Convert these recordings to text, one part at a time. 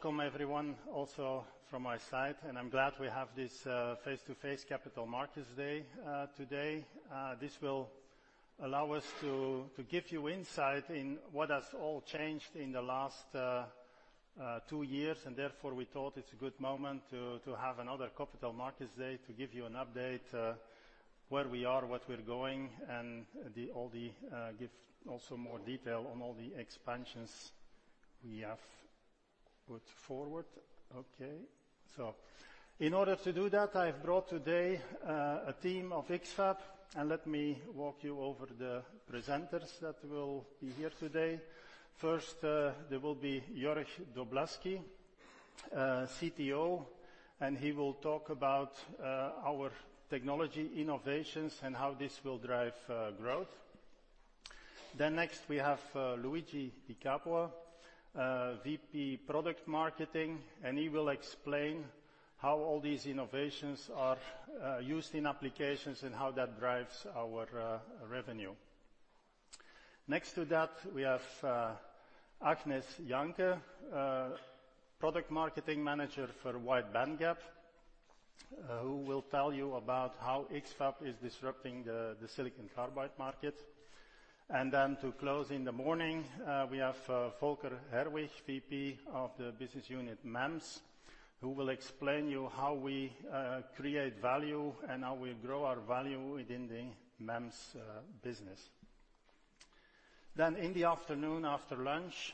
Welcome everyone, also from my side. I'm glad we have this face-to-face Capital Markets Day today. This will allow us to give you insight in what has all changed in the last 2 years. Therefore, we thought it's a good moment to have another Capital Markets Day to give you an update where we are, what we're going, and give also more detail on all the expansions we have put forward. In order to do that, I've brought today a team of X-FAB. Let me walk you over the presenters that will be here today. First, there will be Jörg Doblaski, CTO. He will talk about our technology innovations and how this will drive growth. Next, we have Luigi Di Capua, VP Product Marketing. He will explain how all these innovations are used in applications and how that drives our revenue. Next to that, we have Agnes Janke, Product Marketing Manager for Wide Bandgap, who will tell you about how X-FAB is disrupting the silicon carbide market. To close in the morning, we have Volker Herbig, VP of the Business Unit MEMS, who will explain you how we create value and how we grow our value within the MEMS business. In the afternoon, after lunch,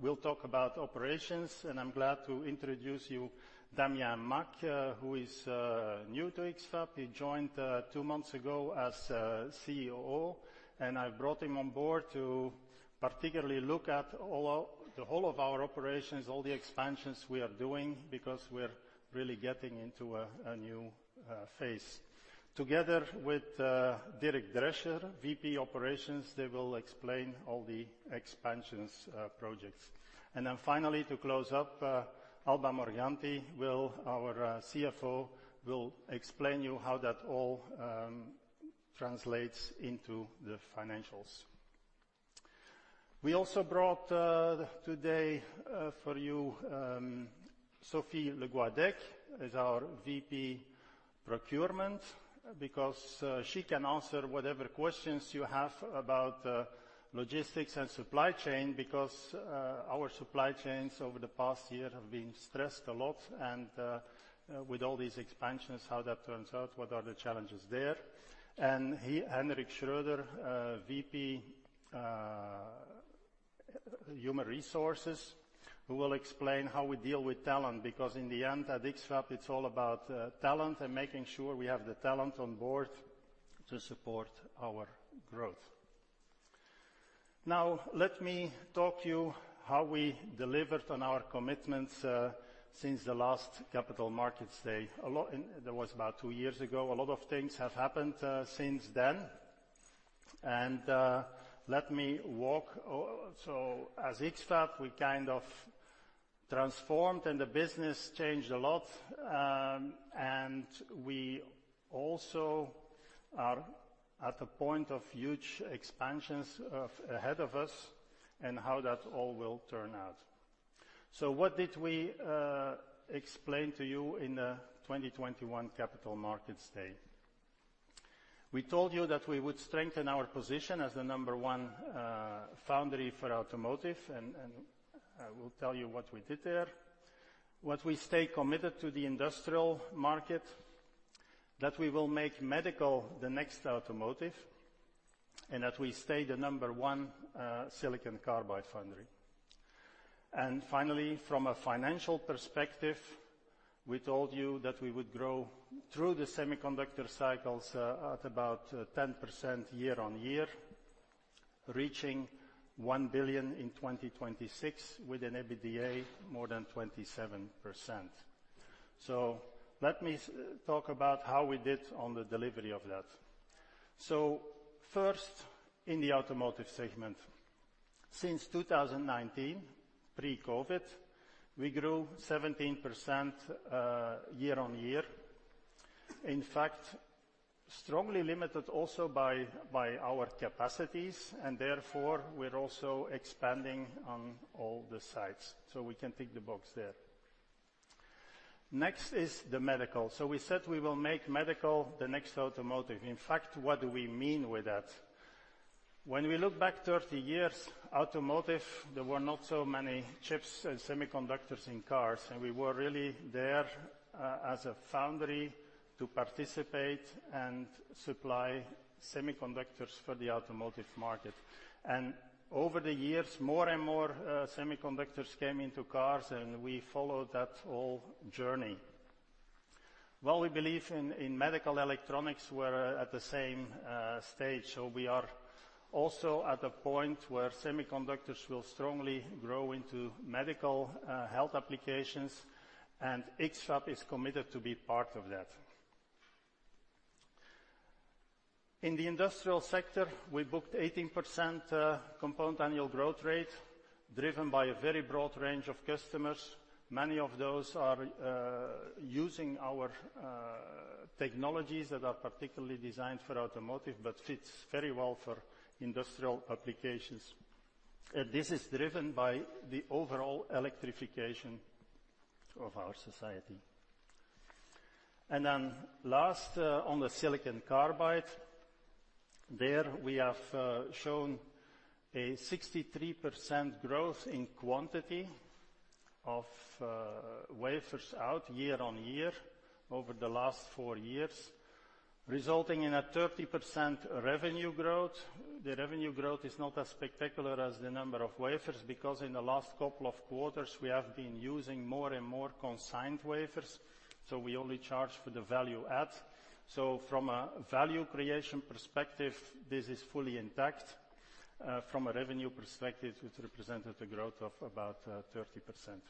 we'll talk about operations. I'm glad to introduce you Damien Macq, who is new to X-FAB. He joined two months ago as COO. I brought him on board to particularly look at the whole of our operations, all the expansions we are doing, because we're really getting into a new phase. Together with Dirk Drescher, VP Operations, they will explain all the expansions projects. Finally, to close up, Alba Morganti will, our CFO, will explain you how that all translates into the financials. We also brought today for you Sophie Le Goadec, as our VP Procurement. Because she can answer whatever questions you have about logistics and supply chain, because our supply chains over the past year have been stressed a lot, and with all these expansions, how that turns out, what are the challenges there? He, Henrik Schroeder, VP Human Resources, who will explain how we deal with talent, because in the end, at X-FAB, it's all about talent and making sure we have the talent on board to support our growth. Now, let me talk to you how we delivered on our commitments since the last Capital Markets Day. A lot, that was about 2 years ago. A lot of things have happened since then. Let me walk. As X-FAB, we kind of transformed, and the business changed a lot, and we also are at a point of huge expansions ahead of us, and how that all will turn out. What did we explain to you in the 2021 Capital Markets Day? We told you that we would strengthen our position as the number one foundry for automotive, and I will tell you what we did there. What we stay committed to the industrial market, that we will make medical the next automotive, and that we stay the number one silicon carbide foundry. Finally, from a financial perspective, we told you that we would grow through the semiconductor cycles at about 10% year-on-year, reaching $1 billion in 2026, with an EBITDA more than 27%. Let me talk about how we did on the delivery of that. First, in the automotive segment, since 2019, pre-COVID, we grew 17% year-on-year. In fact, strongly limited also by our capacities, and therefore, we're also expanding on all the sides. We can tick the box there. The medical. We said we will make medical the next automotive. In fact, what do we mean with that? When we look back 30 years, automotive, there were not so many chips and semiconductors in cars, and we were really there as a foundry to participate and supply semiconductors for the automotive market. Over the years, more and more semiconductors came into cars, and we followed that whole journey. Well, we believe in medical electronics we're at the same stage. We are also at a point where semiconductors will strongly grow into medical health applications, and X-FAB is committed to be part of that. In the industrial sector, we booked 18%, compound annual growth rate, driven by a very broad range of customers. Many of those are using our technologies that are particularly designed for automotive, but fits very well for industrial applications. This is driven by the overall electrification of our society. Then last, on the silicon carbide, there we have shown a 63% growth in quantity of wafers out year on year over the last 4 years, resulting in a 30% revenue growth. The revenue growth is not as spectacular as the number of wafers, because in the last couple of quarters, we have been using more and more consigned wafers, so we only charge for the value add. From a value creation perspective, this is fully intact. From a revenue perspective, it represented a growth of about 30%.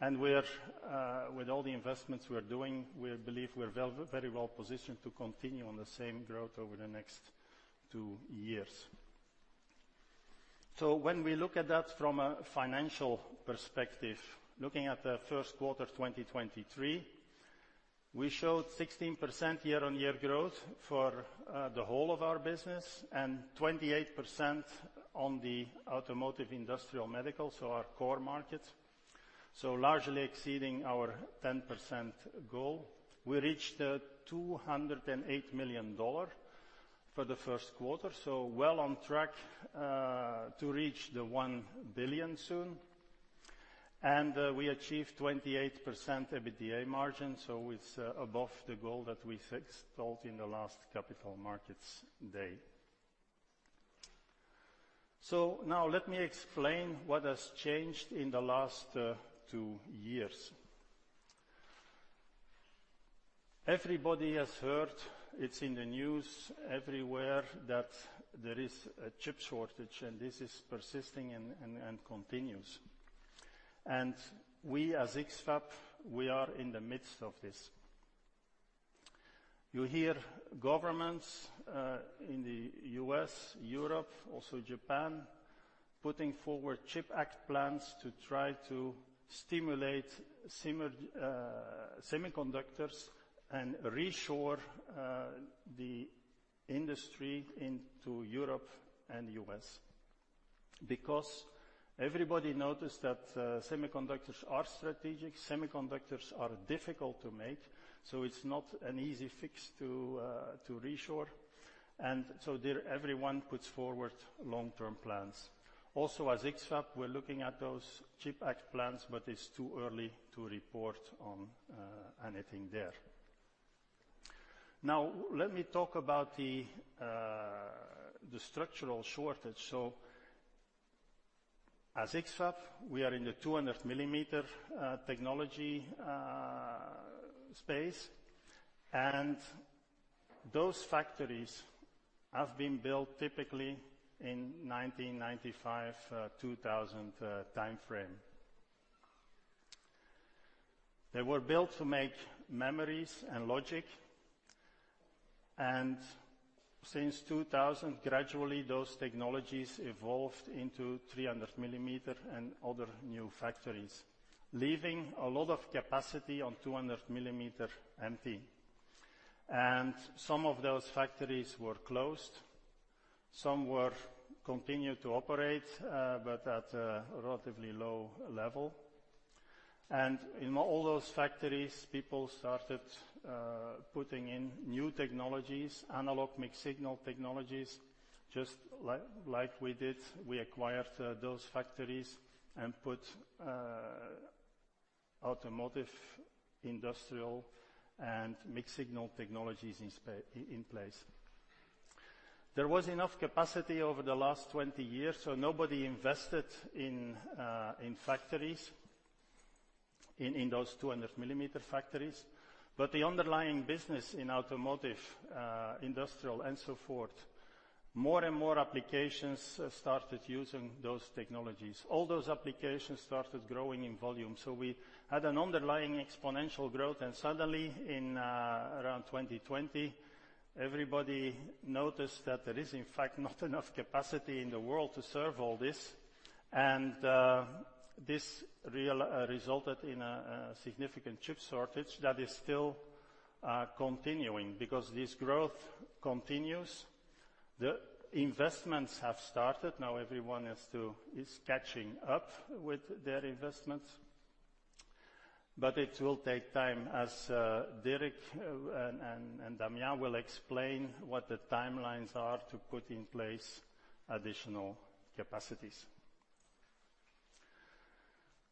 We are with all the investments we are doing, we believe we are very well positioned to continue on the same growth over the next 2 years. When we look at that from a financial perspective, looking at the first quarter, 2023, we showed 16% year-on-year growth for the whole of our business, and 28% on the automotive, industrial, medical, so our core markets, so largely exceeding our 10% goal. We reached $208 million for the first quarter, so well on track to reach the $1 billion soon. We achieved 28% EBITDA margin, so it's above the goal that we fixed out in the last capital markets day. Now let me explain what has changed in the last 2 years. Everybody has heard, it's in the news everywhere, that there is a chip shortage, and this is persisting and continues. We, as X-FAB, we are in the midst of this. You hear governments in the US, Europe, also Japan, putting forward CHIPS Act plans to try to stimulate semiconductors and reshore the industry into Europe and US. Everybody noticed that semiconductors are strategic, semiconductors are difficult to make, so it's not an easy fix to reshore. There everyone puts forward long-term plans. As X-FAB, we're looking at those CHIPS Act plans, but it's too early to report on anything there. Let me talk about the structural shortage. As X-FAB, we are in the 200 millimeter technology space. Those factories have been built typically in 1995, 2000 timeframe. They were built to make memories and logic. Since 2000, gradually, those technologies evolved into 300 millimeter and other new factories, leaving a lot of capacity on 200 millimeter empty. Some of those factories were closed, some were continued to operate, but at a relatively low level. In all those factories, people started putting in new technologies, analog mixed-signal technologies, just like we did. We acquired those factories and put automotive, industrial, and mixed-signal technologies in place. There was enough capacity over the last 20 years. Nobody invested in factories, in those 200 millimeter factories. The underlying business in automotive, industrial, and so forth, more and more applications started using those technologies. All those applications started growing in volume. We had an underlying exponential growth. Suddenly in, around 2020, everybody noticed that there is, in fact, not enough capacity in the world to serve all this. This resulted in a significant chip shortage that is still continuing because this growth continues. The investments have started. Everyone is catching up with their investments, but it will take time, as Derek and Damien will explain what the timelines are to put in place additional capacities.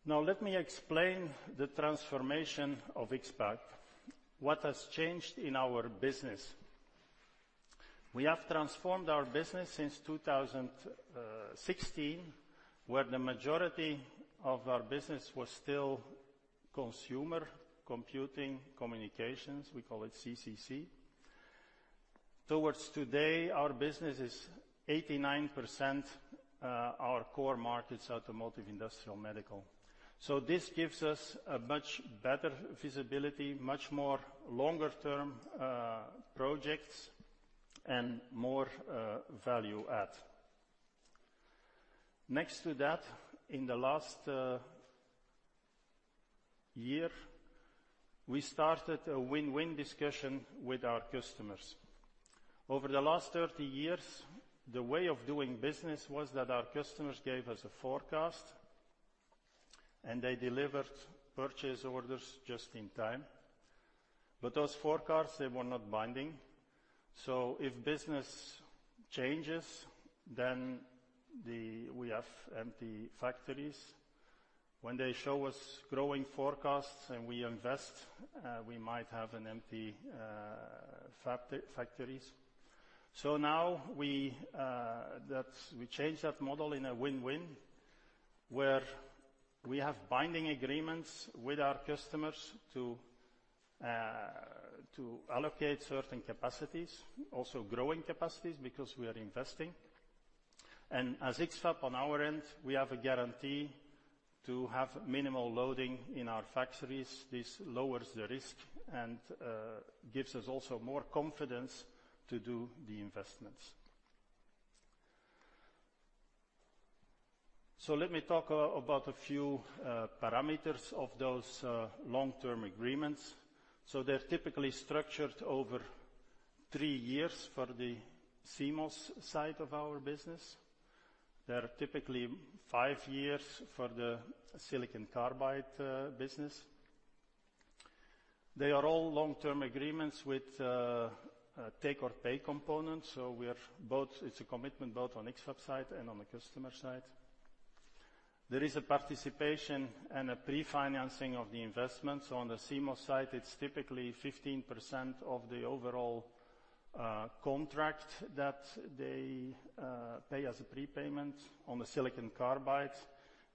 Let me explain the transformation of X-FAB. What has changed in our business? We have transformed our business since 2016, where the majority of our business was still consumer, computing, communications, we call it CCC. Towards today, our business is 89%, our core markets, automotive, industrial, medical. This gives us a much better visibility, much more longer-term projects, and more value add. Next to that, in the last year, we started a win-win discussion with our customers. Over the last 30 years, the way of doing business was that our customers gave us a forecast and they delivered purchase orders just in time. Those forecasts, they were not binding, so if business changes, then we have empty factories. When they show us growing forecasts and we invest, we might have an empty factories. Now we change that model in a win-win, where we have binding agreements with our customers to allocate certain capacities, also growing capacities, because we are investing. As X-FAB, on our end, we have a guarantee to have minimal loading in our factories. This lowers the risk and gives us also more confidence to do the investments. Let me talk about a few parameters of those long-term agreements. They're typically structured over three years for the CMOS side of our business. They are typically five years for the silicon carbide business. They are all long-term agreements with a take-or-pay component, it's a commitment both on X-FAB's side and on the customer side. There is a participation and a pre-financing of the investment. On the CMOS side, it's typically 15% of the overall contract that they pay as a prepayment. On the Silicon Carbide,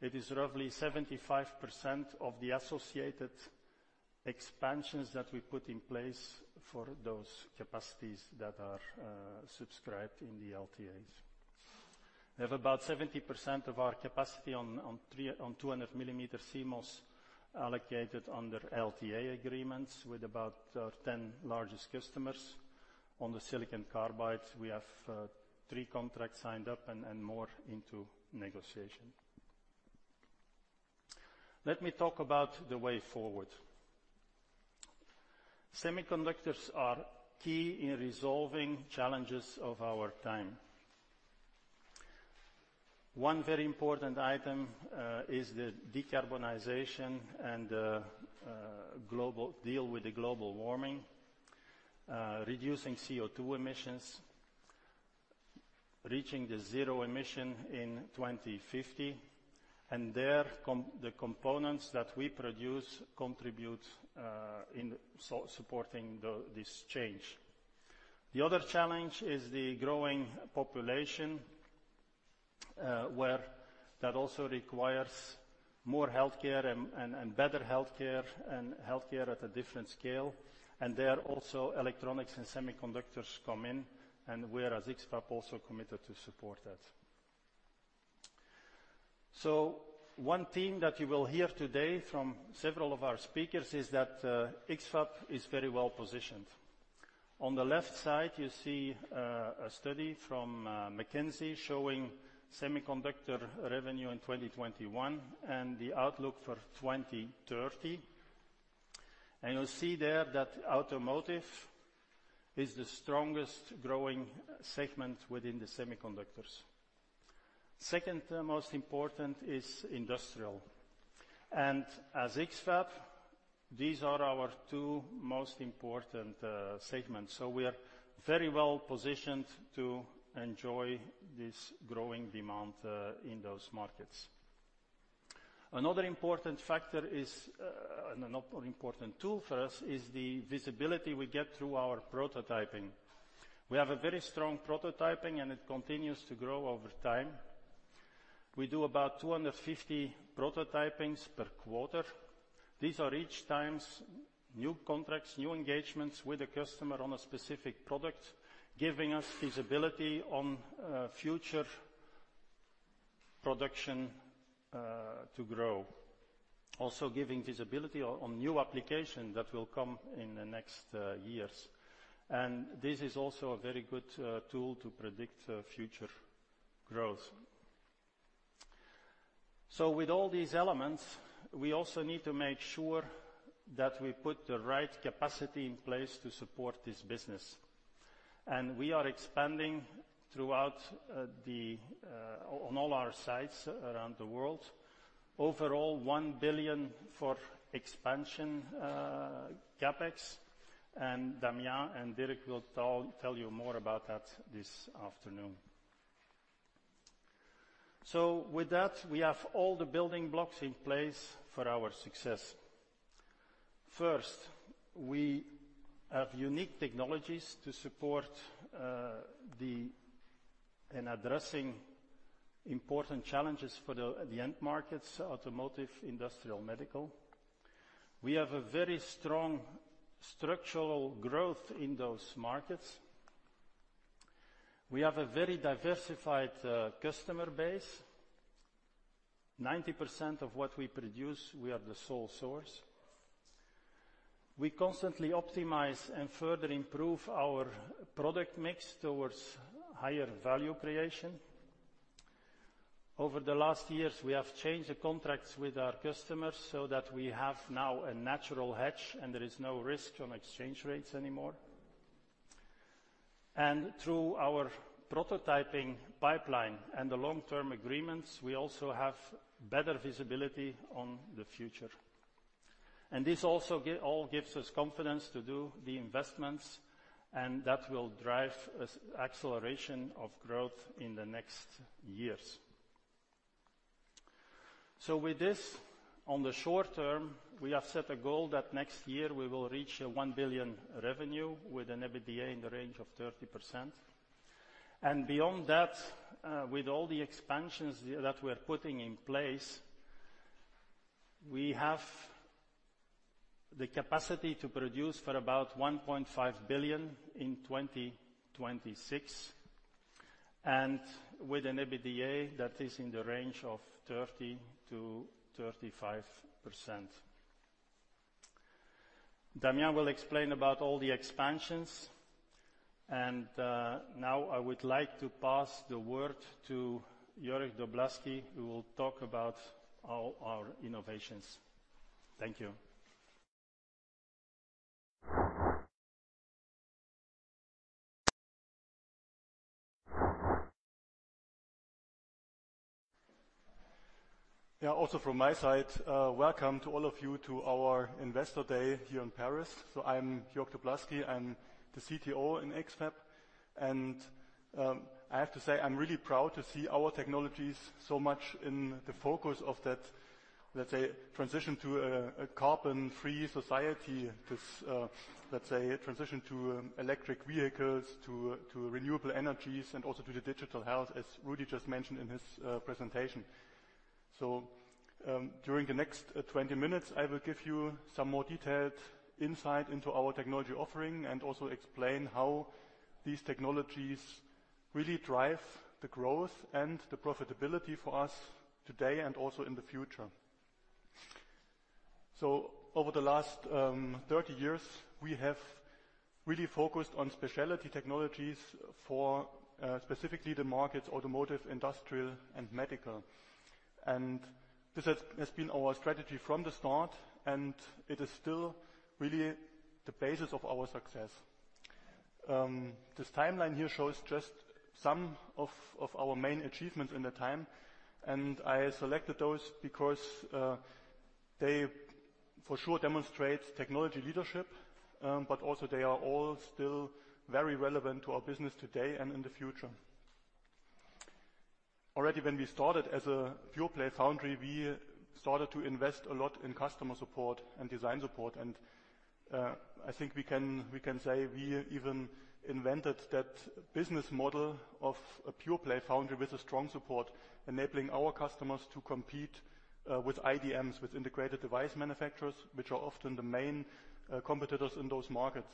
it is roughly 75% of the associated expansions that we put in place for those capacities that are subscribed in the LTAs. We have about 70% of our capacity on 200 millimeter CMOS allocated under LTA agreements, with about 10 largest customers. On the Silicon Carbide, we have three contracts signed up and more into negotiation. Let me talk about the way forward. Semiconductors are key in resolving challenges of our time. One very important item is the decarbonization and the deal with the global warming, reducing CO2 emissions, reaching the zero emission in 2050, and there the components that we produce contribute in so supporting the, this change. The other challenge is the growing population, where that also requires more healthcare and better healthcare, and healthcare at a different scale. There also, electronics and semiconductors come in, and we're, as X-FAB, also committed to support that. One theme that you will hear today from several of our speakers is that X-FAB is very well positioned. On the left side, you see a study from McKinsey showing semiconductor revenue in 2021, and the outlook for 2030. You'll see there that automotive is the strongest growing segment within the semiconductors. Second most important is industrial. As X-FAB, these are our two most important segments, we are very well positioned to enjoy this growing demand in those markets. Another important factor is another important tool for us, is the visibility we get through our prototyping. We have a very strong prototyping, it continues to grow over time. We do about 250 prototypings per quarter. These are each times, new contracts, new engagements with a customer on a specific product, giving us visibility on future production to grow. Also giving visibility on new application that will come in the next years. This is also a very good tool to predict future growth. With all these elements, we also need to make sure that we put the right capacity in place to support this business, and we are expanding throughout the on all our sites around the world. Overall, $1 billion for expansion CapEx, and Damien and Dirk will tell you more about that this afternoon. With that, we have all the building blocks in place for our success. First, we have unique technologies to support in addressing important challenges for the end markets, automotive, industrial, medical. We have a very strong structural growth in those markets. We have a very diversified customer base. 90% of what we produce, we are the sole source. We constantly optimize and further improve our product mix towards higher value creation. Over the last years, we have changed the contracts with our customers so that we have now a natural hedge, there is no risk on exchange rates anymore. Through our prototyping pipeline and the long-term agreements, we also have better visibility on the future. This also gives us confidence to do the investments, that will drive us acceleration of growth in the next years. With this, on the short term, we have set a goal that next year we will reach a $1 billion revenue, with an EBITDA in the range of 30%. Beyond that, with all the expansions that we're putting in place, we have the capacity to produce for about $1.5 billion in 2026, with an EBITDA that is in the range of 30%-35%. Damien will explain about all the expansions, and, now I would like to pass the word to Jörg Doblaski, who will talk about all our innovations. Thank you. Also from my side, welcome to all of you to our Investor Day here in Paris. I'm Jörg Doblaski, I'm the CTO in X-FAB. I have to say, I'm really proud to see our technologies so much in the focus of that, let's say, transition to a carbon-free society. This, let's say, a transition to electric vehicles, to renewable energies, and also to the digital health, as Rudy just mentioned in his presentation. During the next 20 minutes, I will give you some more detailed insight into our technology offering, and also explain how these technologies really drive the growth and the profitability for us today, and also in the future. Over the last 30 years, we have really focused on specialty technologies for specifically the markets, automotive, industrial, and medical. This has been our strategy from the start, and it is still really the basis of our success. This timeline here shows just some of our main achievements in the time, and I selected those because they for sure demonstrate technology leadership, but also they are all still very relevant to our business today and in the future. Already, when we started as a pure-play foundry, we started to invest a lot in customer support and design support, and I think we can say we even invented that business model of a pure-play foundry with a strong support, enabling our customers to compete with IDMs, with integrated device manufacturers, which are often the main competitors in those markets.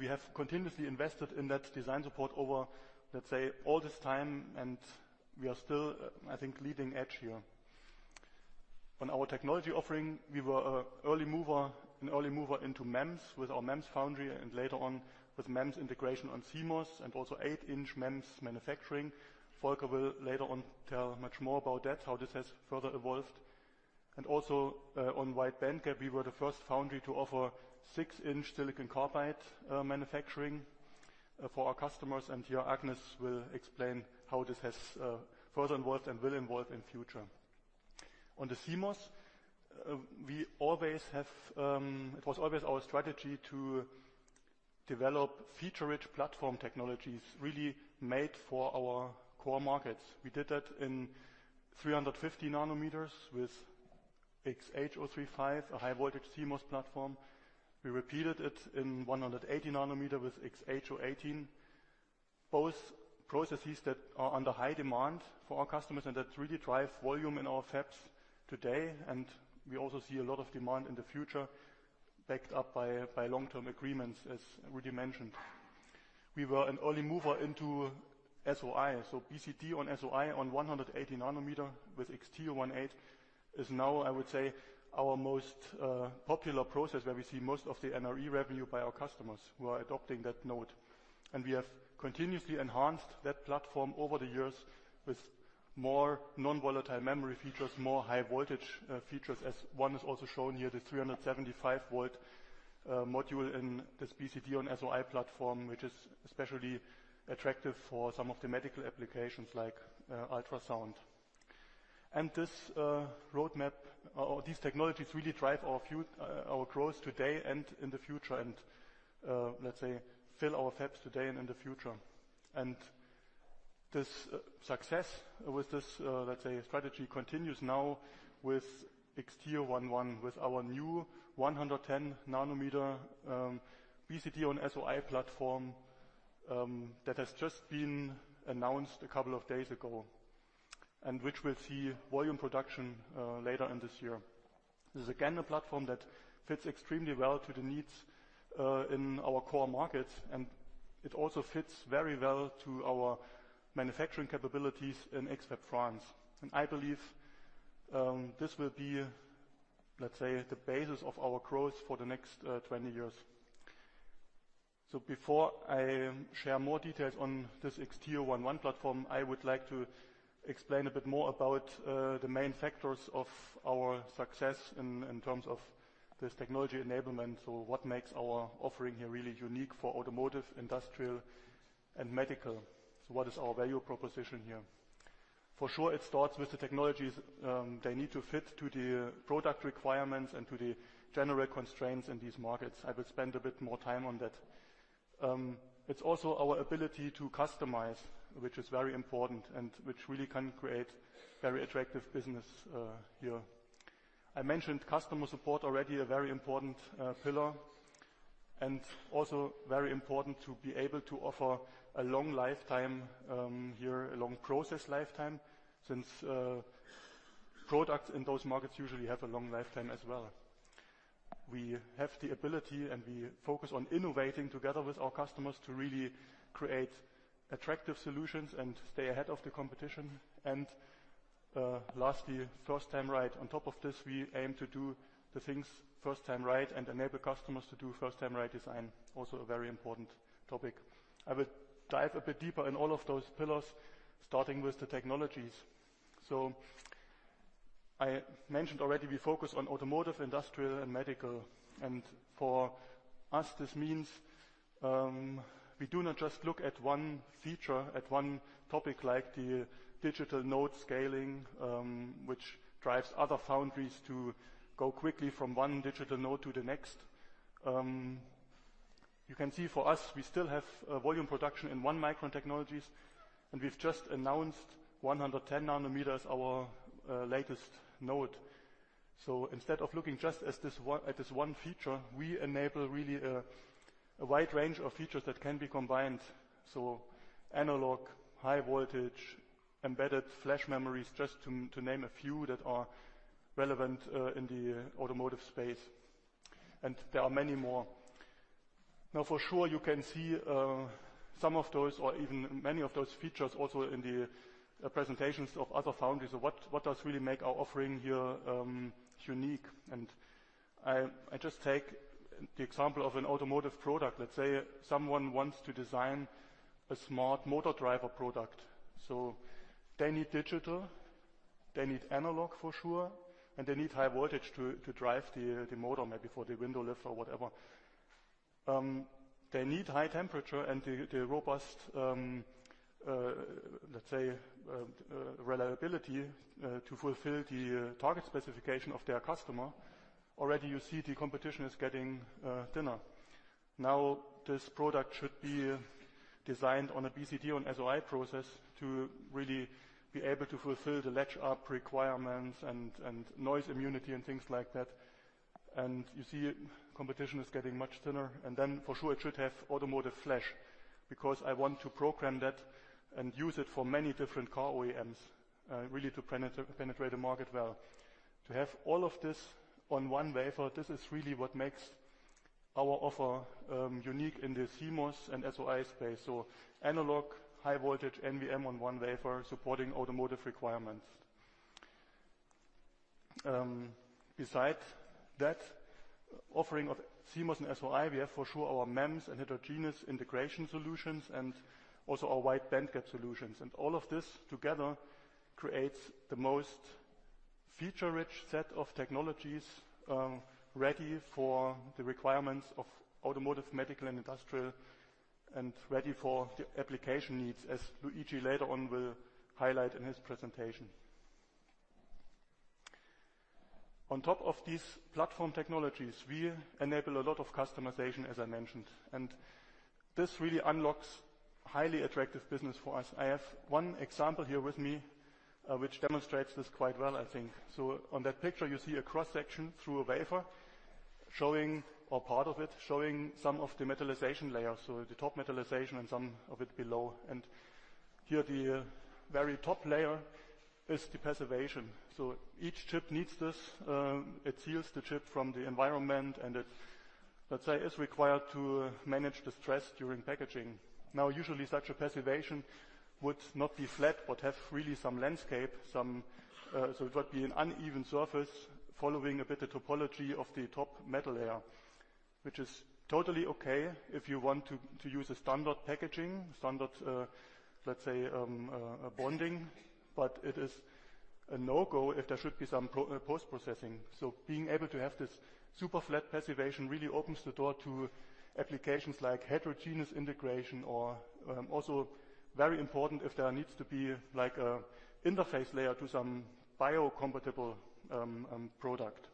We have continuously invested in that design support over, let's say, all this time, and we are still, I think, leading edge here. On our technology offering, we were an early mover into MEMS, with our MEMS foundry, and later on with MEMS integration on CMOS, and also 8-inch MEMS manufacturing. Volker will later on tell much more about that, how this has further evolved. Also, on wide bandgap, we were the first foundry to offer 6-inch silicon carbide manufacturing for our customers, and here Agnes will explain how this has further evolved and will evolve in future. On the CMOS, it was always our strategy to develop feature-rich platform technologies, really made for our core markets. We did that in 350 nanometers with XH035, a high-voltage CMOS platform. We repeated it in 180 nanometer with XH018, both processes that are under high demand for our customers and that really drive volume in our fabs today. We also see a lot of demand in the future, backed up by long-term agreements, as Rudy mentioned. We were an early mover into SOI, so BCD on SOI on 180 nanometer with XT018, is now, I would say, our most popular process, where we see most of the NRE revenue by our customers who are adopting that node. We have continuously enhanced that platform over the years with more non-volatile memory features, more high-voltage features, as one is also shown here, the 375 volt module in this BCD on SOI platform, which is especially attractive for some of the medical applications like ultrasound. This roadmap, or these technologies really drive our growth today and in the future, and, let's say, fill our fabs today and in the future. This success with this strategy continues now with XT011, with our new 110 nanometer BCD-on-SOI platform that has just been announced a couple of days ago, and which will see volume production later in this year. This is again, a platform that fits extremely well to the needs in our core markets, and it also fits very well to our manufacturing capabilities in X-FAB France. I believe this will be, let's say, the basis of our growth for the next 20 years. Before I share more details on this XT011 platform, I would like. explain a bit more about the main factors of our success in terms of this technology enablement. What makes our offering here really unique for automotive, industrial, and medical? What is our value proposition here? For sure, it starts with the technologies, they need to fit to the product requirements and to the general constraints in these markets. I will spend a bit more time on that. It's also our ability to customize, which is very important, and which really can create very attractive business here. I mentioned customer support already, a very important pillar, and also very important to be able to offer a long lifetime here, a long process lifetime, since products in those markets usually have a long lifetime as well. We have the ability, and we focus on innovating together with our customers to really create attractive solutions and stay ahead of the competition. Lastly, first time right. On top of this, we aim to do the things first time right, and enable customers to do first time right design, also a very important topic. I will dive a bit deeper in all of those pillars, starting with the technologies. I mentioned already, we focus on automotive, industrial, and medical, and for us, this means we do not just look at one feature, at one topic, like the digital node scaling, which drives other foundries to go quickly from one digital node to the next. You can see for us, we still have a volume production in 1 micron technologies, and we've just announced 110 nanometers, our latest node. Instead of looking just at this one feature, we enable really a wide range of features that can be combined. Analog, high voltage, embedded flash memories, just to name a few that are relevant in the automotive space, and there are many more. For sure, you can see some of those or even many of those features also in the presentations of other foundries. What does really make our offering here unique? I just take the example of an automotive product. Let's say someone wants to design a smart motor driver product, they need digital, they need analog for sure, and they need high voltage to drive the motor, maybe for the window lift or whatever. They need high temperature and the robust, let's say, reliability to fulfill the target specification of their customer. Already you see the competition is getting thinner. This product should be designed on a BCD-on-SOI process to really be able to fulfill the latch up requirements and noise immunity and things like that. You see, competition is getting much thinner. For sure, it should have automotive flash, because I want to program that and use it for many different car OEMs, really to penetrate the market well. To have all of this on one wafer, this is really what makes our offer unique in the CMOS and SOI space. Analog, high voltage, NVM on one wafer, supporting automotive requirements. Besides that offering of CMOS and SOI, we have for sure our MEMS and heterogeneous integration solutions and also our wide bandgap solutions. All of this together creates the most feature-rich set of technologies, ready for the requirements of automotive, medical, and industrial, and ready for the application needs, as Luigi later on will highlight in his presentation. On top of these platform technologies, we enable a lot of customization, as I mentioned, and this really unlocks highly attractive business for us. I have one example here with me, which demonstrates this quite well, I think. On that picture, you see a cross-section through a wafer, showing or part of it, showing some of the metallization layers, so the top metallization and some of it below. Here, the very top layer is the passivation. Each chip needs this, it seals the chip from the environment and it, let's say, is required to manage the stress during packaging. Usually, such a passivation would not be flat, but have really some landscape, some. It would be an uneven surface, following a bit of topology of the top metal layer, which is totally okay if you want to use a standard packaging, standard, let's say, bonding, but it is a no-go if there should be some post-processing. Being able to have this super flat passivation really opens the door to applications like heterogeneous integration, or, also very important if there needs to be like an interface layer to some biocompatible product.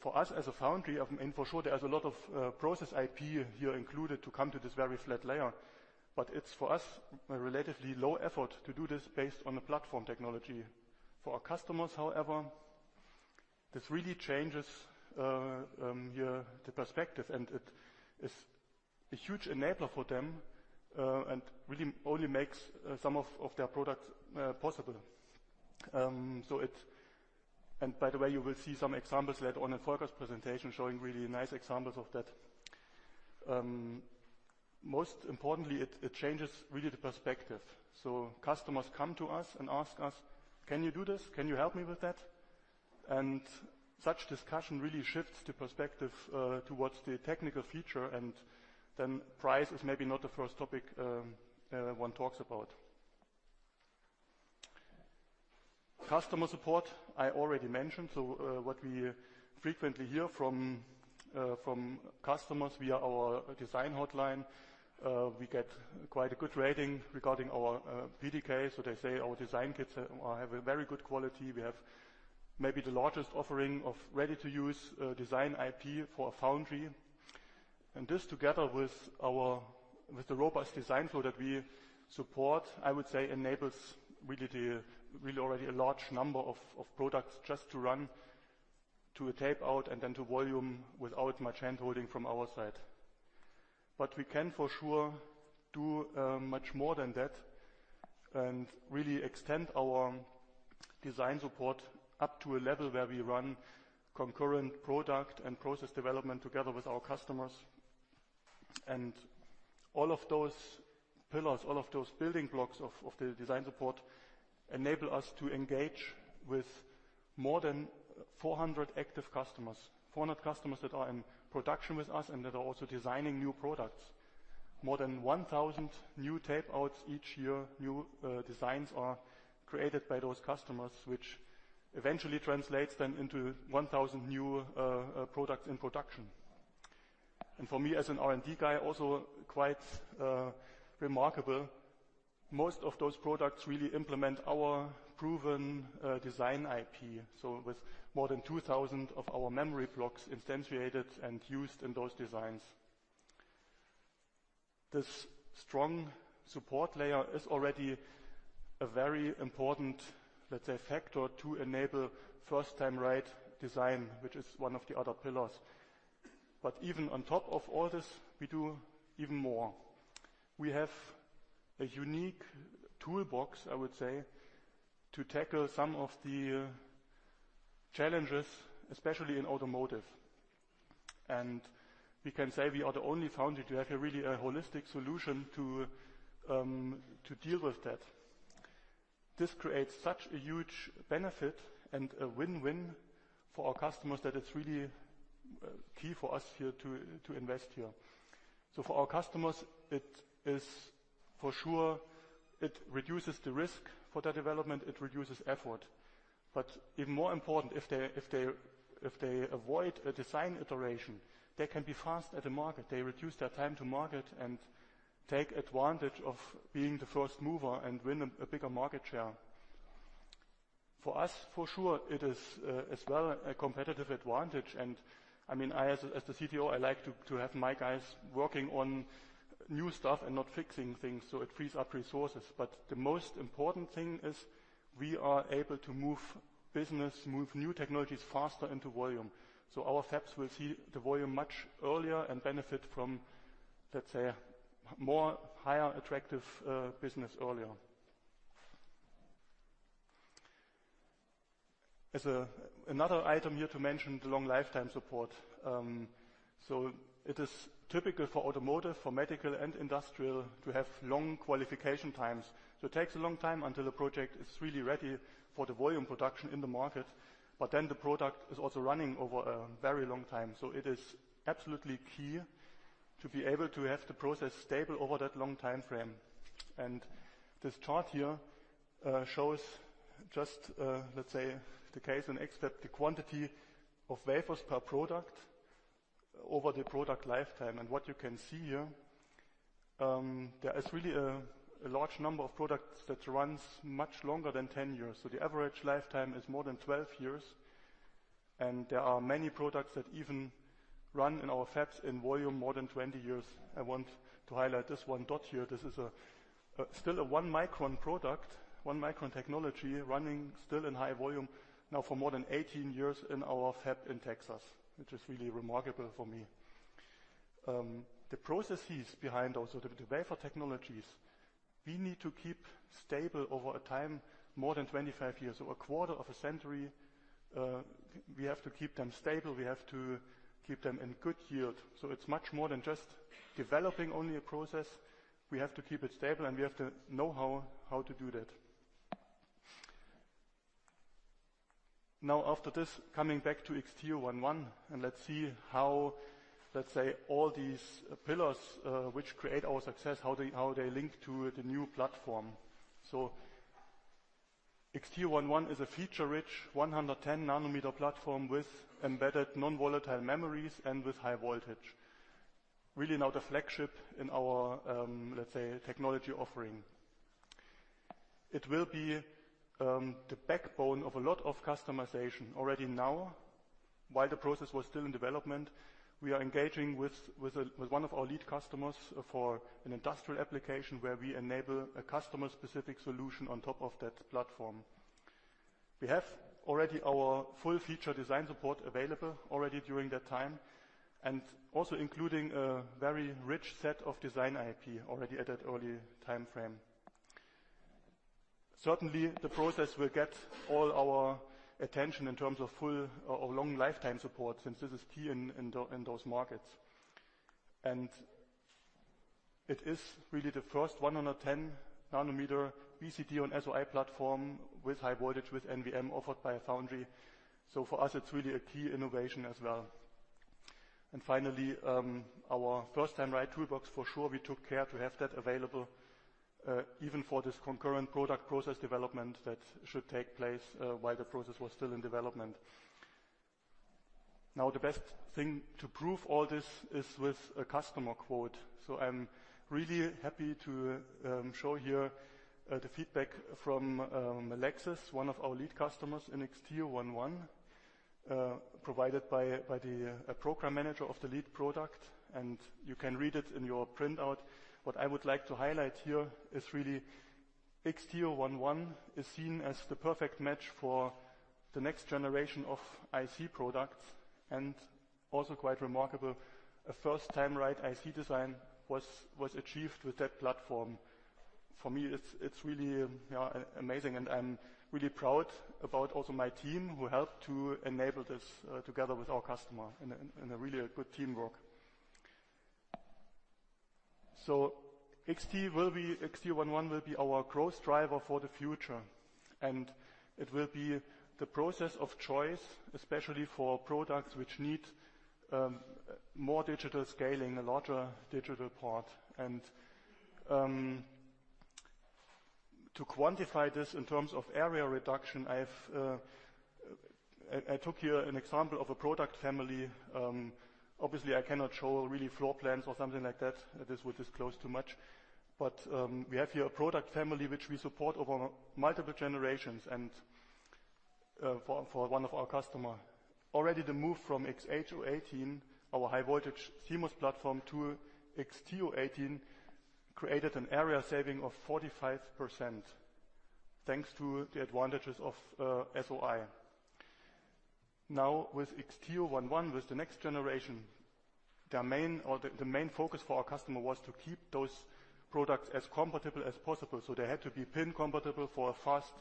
For us, as a foundry, and for sure, there is a lot of process IP here included to come to this very flat layer, but it's for us, a relatively low effort to do this based on a platform technology. For our customers, however, this really changes the perspective, and it is a huge enabler for them, and really only makes some of their products possible. By the way, you will see some examples later on in Focus presentation, showing really nice examples of that. Most importantly, it changes really the perspective. Customers come to us and ask us: "Can you do this? Can you help me with that?" Such discussion really shifts the perspective towards the technical feature, and then price is maybe not the first topic one talks about. Customer support, I already mentioned. What we frequently hear from customers via our design hotline, we get quite a good rating regarding our PDK. They say our design kits have a very good quality. We have maybe the largest offering of ready-to-use design IP for a foundry. This, together with our with the robust design flow that we support, I would say, enables really already a large number of products just to run to a tape-out and then to volume without much handholding from our side. We can, for sure, do much more than that and really extend our design support up to a level where we run concurrent product and process development together with our customers. All of those pillars, all of those building blocks of the design support, enable us to engage with more than 400 active customers. 400 customers that are in production with us and that are also designing new products. More than 1,000 new tape-outs each year, new designs are created by those customers, which eventually translates then into 1,000 new products in production. For me, as an R&D guy, also quite remarkable, most of those products really implement our proven design IP, so with more than 2,000 of our memory blocks instantiated and used in those designs. This strong support layer is already a very important, let's say, factor to enable first-time right design, which is one of the other pillars. Even on top of all this, we do even more. We have a unique toolbox, I would say, to tackle some of the challenges, especially in automotive. We can say we are the only foundry to have a really a holistic solution to deal with that. This creates such a huge benefit and a win-win for our customers, that it's really key for us here to invest here. For our customers, it is for sure, it reduces the risk for their development, it reduces effort. Even more important, if they avoid a design iteration, they can be fast at the market. They reduce their time to market and take advantage of being the first mover and win a bigger market share. For us, for sure, it is as well a competitive advantage, I mean, I as the CTO, I like to have my guys working on new stuff and not fixing things, so it frees up resources. The most important thing is we are able to move business, move new technologies faster into volume. Our fabs will see the volume much earlier and benefit from, let's say, more higher attractive business earlier. As another item here to mention, the long lifetime support. It is typical for automotive, for medical, and industrial to have long qualification times. It takes a long time until the project is really ready for the volume production in the market, then the product is also running over a very long time. It is absolutely key to be able to have the process stable over that long time frame. This chart here shows just, let's say, the case on X-FAB, the quantity of wafers per product over the product lifetime. What you can see here, there is really a large number of products that runs much longer than 10 years. The average lifetime is more than 12 years, and there are many products that even run in our fabs in volume more than 20 years. I want to highlight this 1 dot here. This is a still a 1-micron product, 1-micron technology, running still in high volume now for more than 18 years in our fab in Texas, which is really remarkable for me. The processes behind those, the wafer technologies, we need to keep stable over a time, more than 25 years, or a quarter of a century. We have to keep them stable, we have to keep them in good yield, it's much more than just developing only a process. We have to keep it stable, we have to know how to do that. Now, after this, coming back to XT011, let's see how, let's say, all these pillars, which create our success, how they link to the new platform. XT011 is a feature-rich 110 nanometer platform with embedded non-volatile memories and with high voltage. Really now the flagship in our, let's say, technology offering. It will be the backbone of a lot of customization. Already now, while the process was still in development, we are engaging with one of our lead customers for an industrial application, where we enable a customer-specific solution on top of that platform. We have already our full feature design support available already during that time and also including a very rich set of design IP already at that early time frame. Certainly, the process will get all our attention in terms of full or long lifetime support, since this is key in those markets. It is really the first 110 nanometer BCD-on-SOI platform with high voltage, with NVM offered by a foundry. For us, it's really a key innovation as well. Finally, our first time right toolbox for sure, we took care to have that available, even for this concurrent product process development that should take place, while the process was still in development. The best thing to prove all this is with a customer quote, so I'm really happy to show here the feedback from Melexis, one of our lead customers in XT011, provided by the program manager of the lead product, and you can read it in your printout. What I would like to highlight here is really XT011 is seen as the perfect match for the next generation of IC products, and also quite remarkable, a first-time right IC design was achieved with that platform. For me, it's really amazing, and I'm really proud about also my team, who helped to enable this together with our customer in a really good teamwork. XT011 will be our growth driver for the future, and it will be the process of choice, especially for products which need more digital scaling, a larger digital part. To quantify this in terms of area reduction, I took here an example of a product family. Obviously, I cannot show really floor plans or something like that. This would disclose too much, we have here a product family, which we support over multiple generations and for one of our customer. The move from XH018, our high-voltage CMOS platform, to XT018, created an area saving of 45%, thanks to the advantages of SOI. With XT011, with the next generation, the main focus for our customer was to keep those products as compatible as possible, so they had to be pin compatible for a fast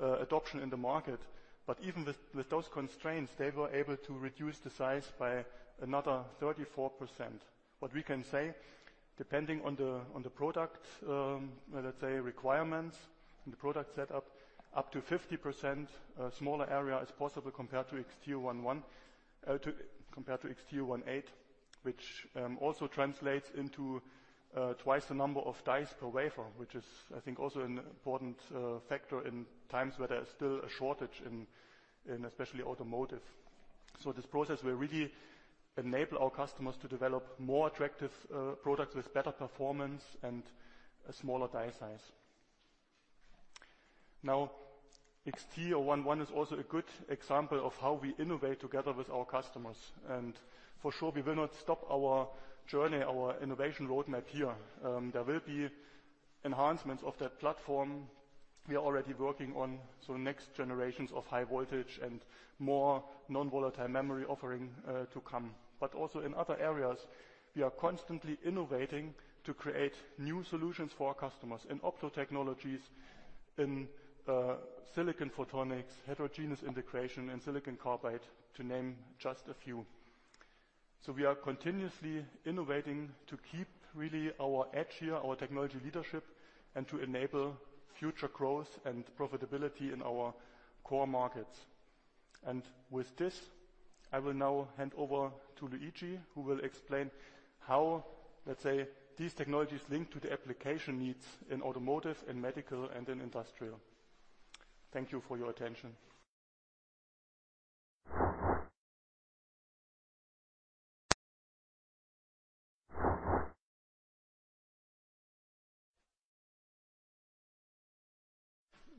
adoption in the market. Even with those constraints, they were able to reduce the size by another 34%. What we can say, depending on the, on the product, let's say, requirements and the product set up to 50% smaller area is possible compared to XT011 compared to XT018, which also translates into twice the number of dice per wafer, which is, I think, also an important factor in times where there is still a shortage in especially automotive. This process will really enable our customers to develop more attractive products with better performance and a smaller die size. XT011 is also a good example of how we innovate together with our customers, and for sure, we will not stop our journey, our innovation roadmap here. There will be enhancements of that platform. We are already working on, so next generations of high voltage and more non-volatile memory offering to come. Also in other areas, we are constantly innovating to create new solutions for our customers in opto technologies, in silicon photonics, heterogeneous integration, and silicon carbide, to name just a few. We are continuously innovating to keep really our edge here, our technology leadership, and to enable future growth and profitability in our core markets. With this, I will now hand over to Luigi, who will explain how, let's say, these technologies link to the application needs in automotive, in medical, and in industrial. Thank you for your attention.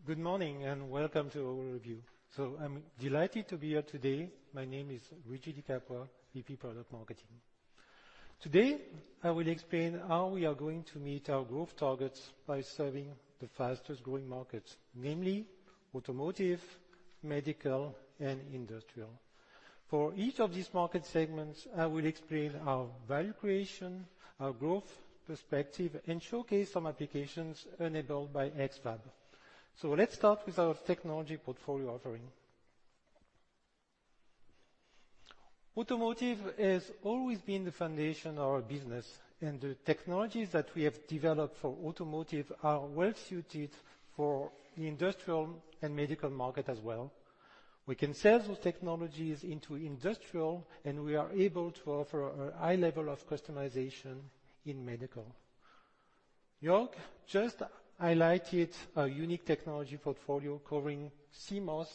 Good morning, and welcome to our review. I'm delighted to be here today. My name is Luigi Di Capua, VP, Product Marketing. Today, I will explain how we are going to meet our growth targets by serving the fastest-growing markets, namely automotive, medical, and industrial. For each of these market segments, I will explain our value creation, our growth perspective, and showcase some applications enabled by X-FAB. Let's start with our technology portfolio offering. Automotive has always been the foundation of our business, and the technologies that we have developed for automotive are well suited for the industrial and medical market as well. We can sell those technologies into industrial, and we are able to offer a high level of customization in medical. York just highlighted a unique technology portfolio covering CMOS,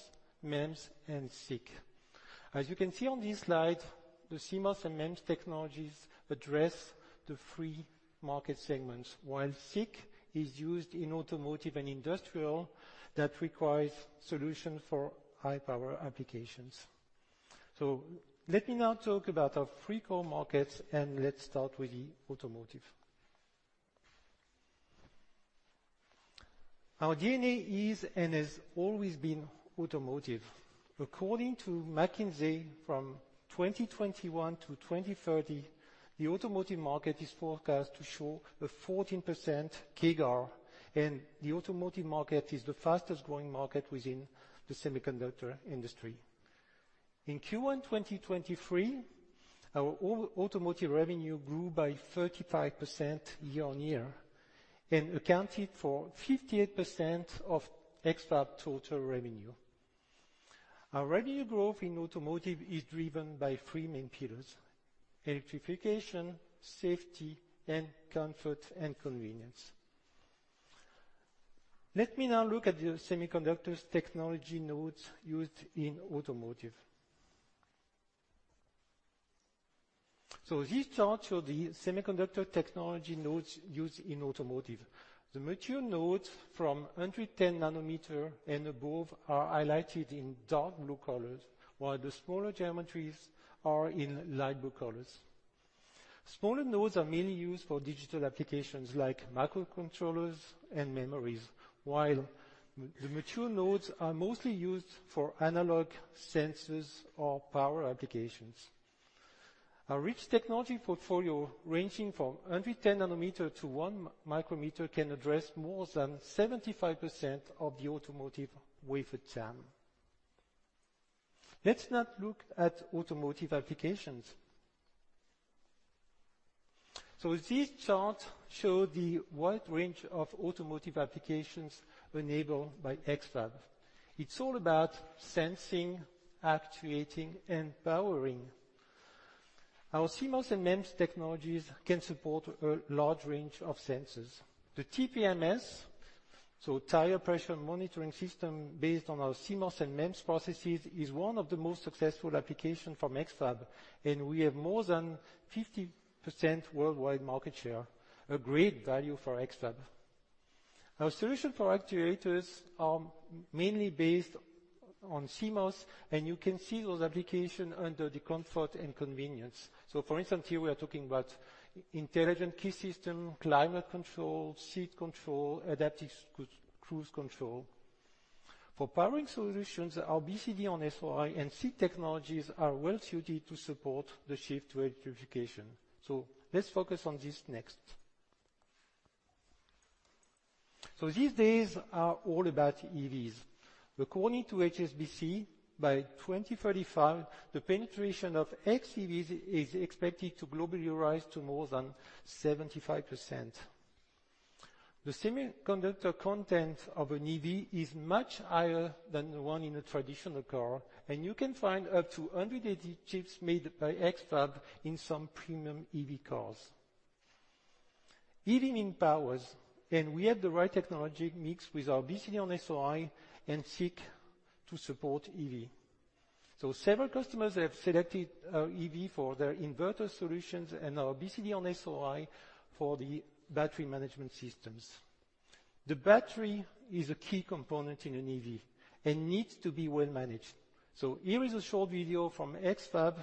MEMS, and SiC. As you can see on this slide, the CMOS and MEMS technologies address the free market segments, while SiC is used in automotive and industrial that requires solution for high-power applications. Let me now talk about our three core markets, let's start with the automotive. Our DNA is and has always been automotive. According to McKinsey, from 2021 to 2030, the automotive market is forecast to show a 14% CAGR, the automotive market is the fastest-growing market within the semiconductor industry. In Q1 2023, our automotive revenue grew by 35% year-on-year, accounted for 58% of X-FAB total revenue. Our revenue growth in automotive is driven by three main pillars: electrification, safety, and comfort and convenience. Let me now look at the semiconductors technology nodes used in automotive. These charts show the semiconductor technology nodes used in automotive. The mature nodes from 110 nanometer and above are highlighted in dark blue colors, while the smaller geometries are in light blue colors. Smaller nodes are mainly used for digital applications, like microcontrollers and memories, while the mature nodes are mostly used for analog sensors or power applications. Our rich technology portfolio, ranging from 110 nanometer to one micrometer, can address more than 75% of the automotive wafer channel. Let's now look at automotive applications. These charts show the wide range of automotive applications enabled by X-FAB. It's all about sensing, actuating, and powering. Our CMOS and MEMS technologies can support a large range of sensors. The TPMS, so Tire Pressure Monitoring System, based on our CMOS and MEMS processes, is one of the most successful application from X-FAB, and we have more than 50% worldwide market share, a great value for X-FAB. Our solution for actuators are mainly based on CMOS. You can see those application under the comfort and convenience. For instance, here we are talking about intelligent key system, climate control, seat control, adaptive cruise control. For powering solutions, our BCD-on-SOI and SI technologies are well suited to support the shift to electrification. Let's focus on this next. These days are all about EVs. According to HSBC, by 2035, the penetration of xEVs is expected to globally rise to more than 75%. The semiconductor content of an EV is much higher than the one in a traditional car. You can find up to 180 chips made by X-FAB in some premium EV cars. EV empowers. We have the right technology mixed with our BCD-on-SOI and SiC to support EV. Several customers have selected EV for their inverter solutions and our BCD-on-SOI for the battery management systems. The battery is a key component in an EV and needs to be well managed. Here is a short video from X-FAB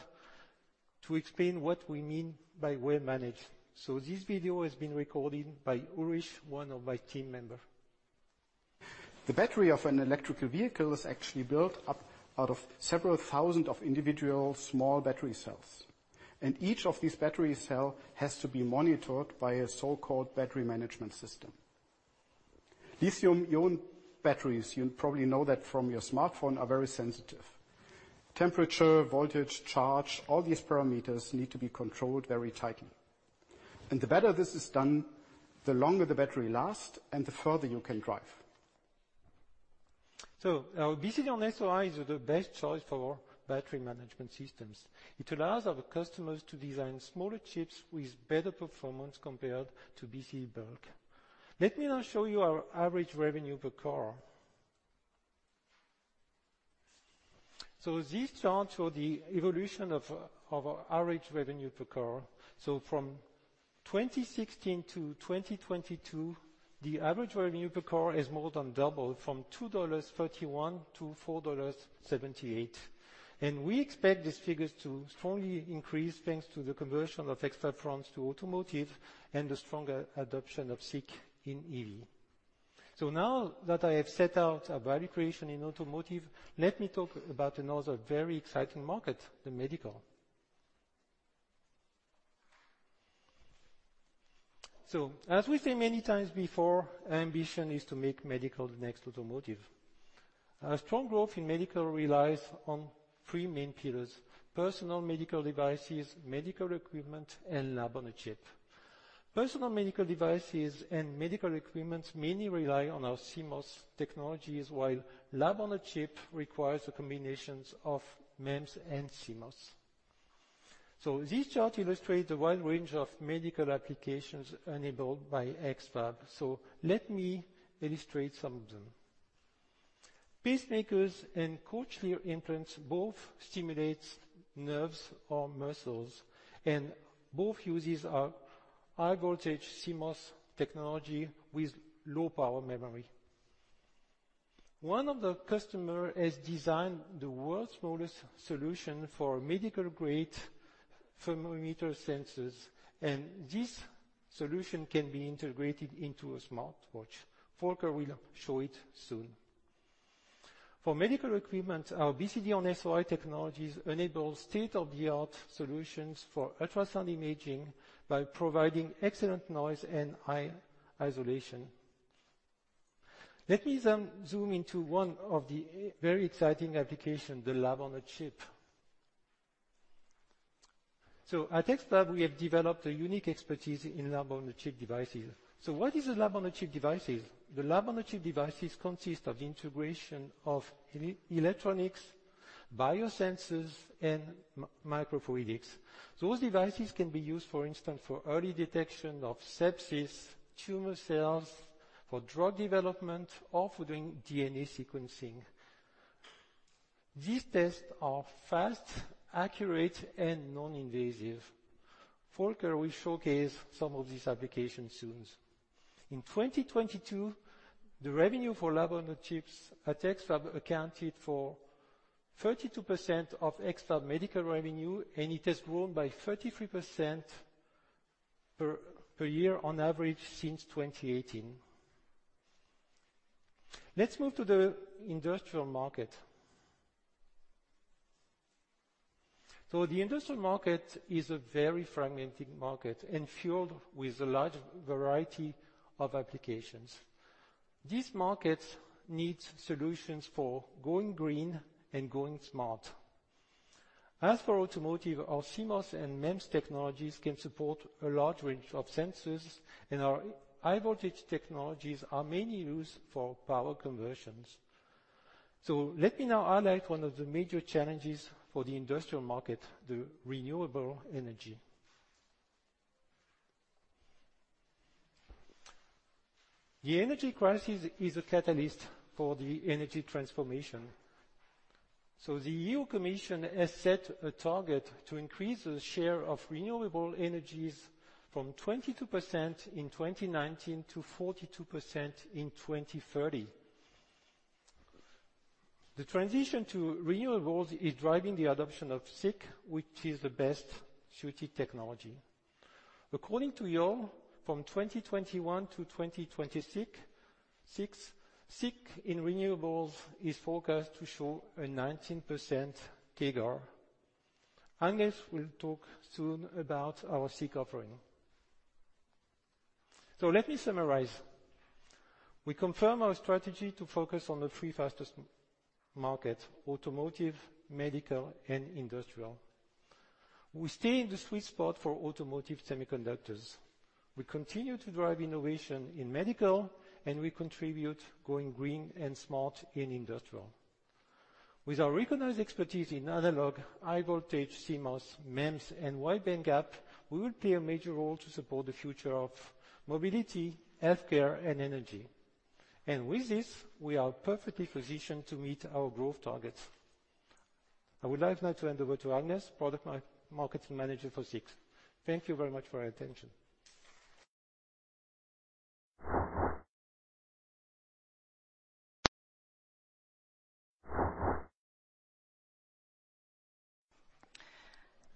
to explain what we mean by well managed. This video has been recorded by Ulrich, one of my team member. The battery of an electrical vehicle is actually built up out of several thousand of individual small battery cell, and each of these battery cell has to be monitored by a so-called battery management system. Lithium-ion batteries, you probably know that from your smartphone, are very sensitive. Temperature, voltage, charge, all these parameters need to be controlled very tightly, and the better this is done, the longer the battery lasts and the further you can drive. Our BCD on SOI is the best choice for battery management systems. It allows our customers to design smaller chips with better performance compared to BCD bulk. Let me now show you our average revenue per car. These charts show the evolution of our average revenue per car. From 2016 to 2022, the average revenue per car has more than doubled, from $2.31 to $4.78. We expect these figures to strongly increase, thanks to the conversion of X-FAB France to automotive and the stronger adoption of SiC in EV. Now that I have set out our value creation in automotive, let me talk about another very exciting market, the medical. As we say many times before, our ambition is to make medical the next automotive. A strong growth in medical relies on three main pillars: personal medical devices, medical equipment, and lab-on-a-chip. Personal medical devices and medical equipments mainly rely on our CMOS technologies, while lab-on-a-chip requires the combinations of MEMS and CMOS. This chart illustrates the wide range of medical applications enabled by X-FAB. Let me illustrate some of them. Pacemakers and cochlear implants both stimulate nerves or muscles, and both uses our high-voltage CMOS technology with low-power memory. One of the customer has designed the world's smallest solution for medical-grade thermometer sensors, and this solution can be integrated into a smartwatch. Volker will show it soon. For medical equipment, our BCD-on-SOI technologies enable state-of-the-art solutions for ultrasound imaging by providing excellent noise and high isolation.... Let me then zoom into one of the very exciting application, the lab-on-a-chip. At X-FAB, we have developed a unique expertise in lab-on-a-chip devices. What is a lab-on-a-chip devices? The lab-on-a-chip devices consist of integration of electronics, biosensors, and microfluidics. Those devices can be used, for instance, for early detection of sepsis, tumor cells, for drug development, or for doing DNA sequencing. These tests are fast, accurate, and non-invasive. Volker will showcase some of these applications soon. In 2022, the revenue for lab-on-a-chips at X-FAB accounted for 32% of X-FAB medical revenue, and it has grown by 33% per year on average since 2018. Let's move to the industrial market. The industrial market is a very fragmented market and filled with a large variety of applications. These markets need solutions for going green and going smart. As for automotive, our CMOS and MEMS technologies can support a large range of sensors, and our high voltage technologies are mainly used for power conversions. Let me now highlight one of the major challenges for the industrial market, the renewable energy. The energy crisis is a catalyst for the energy transformation. The EU Commission has set a target to increase the share of renewable energies from 22% in 2019 to 42% in 2030. The transition to renewables is driving the adoption of SiC, which is the best suited technology. According to Yole, from 2021 to 2026, SiC in renewables is forecast to show a 19% CAGR. Agnes will talk soon about our SiC offering. Let me summarize: we confirm our strategy to focus on the three fastest markets, automotive, medical, and industrial. We stay in the sweet spot for automotive semiconductors, we continue to drive innovation in medical, and we contribute going green and smart in industrial. With our recognized expertise in analog, high voltage, CMOS, MEMS, and wide bandgap, we will play a major role to support the future of mobility, healthcare, and energy. With this, we are perfectly positioned to meet our growth targets. I would like now to hand over to Agnes, product marketing manager for SiC. Thank you very much for your attention.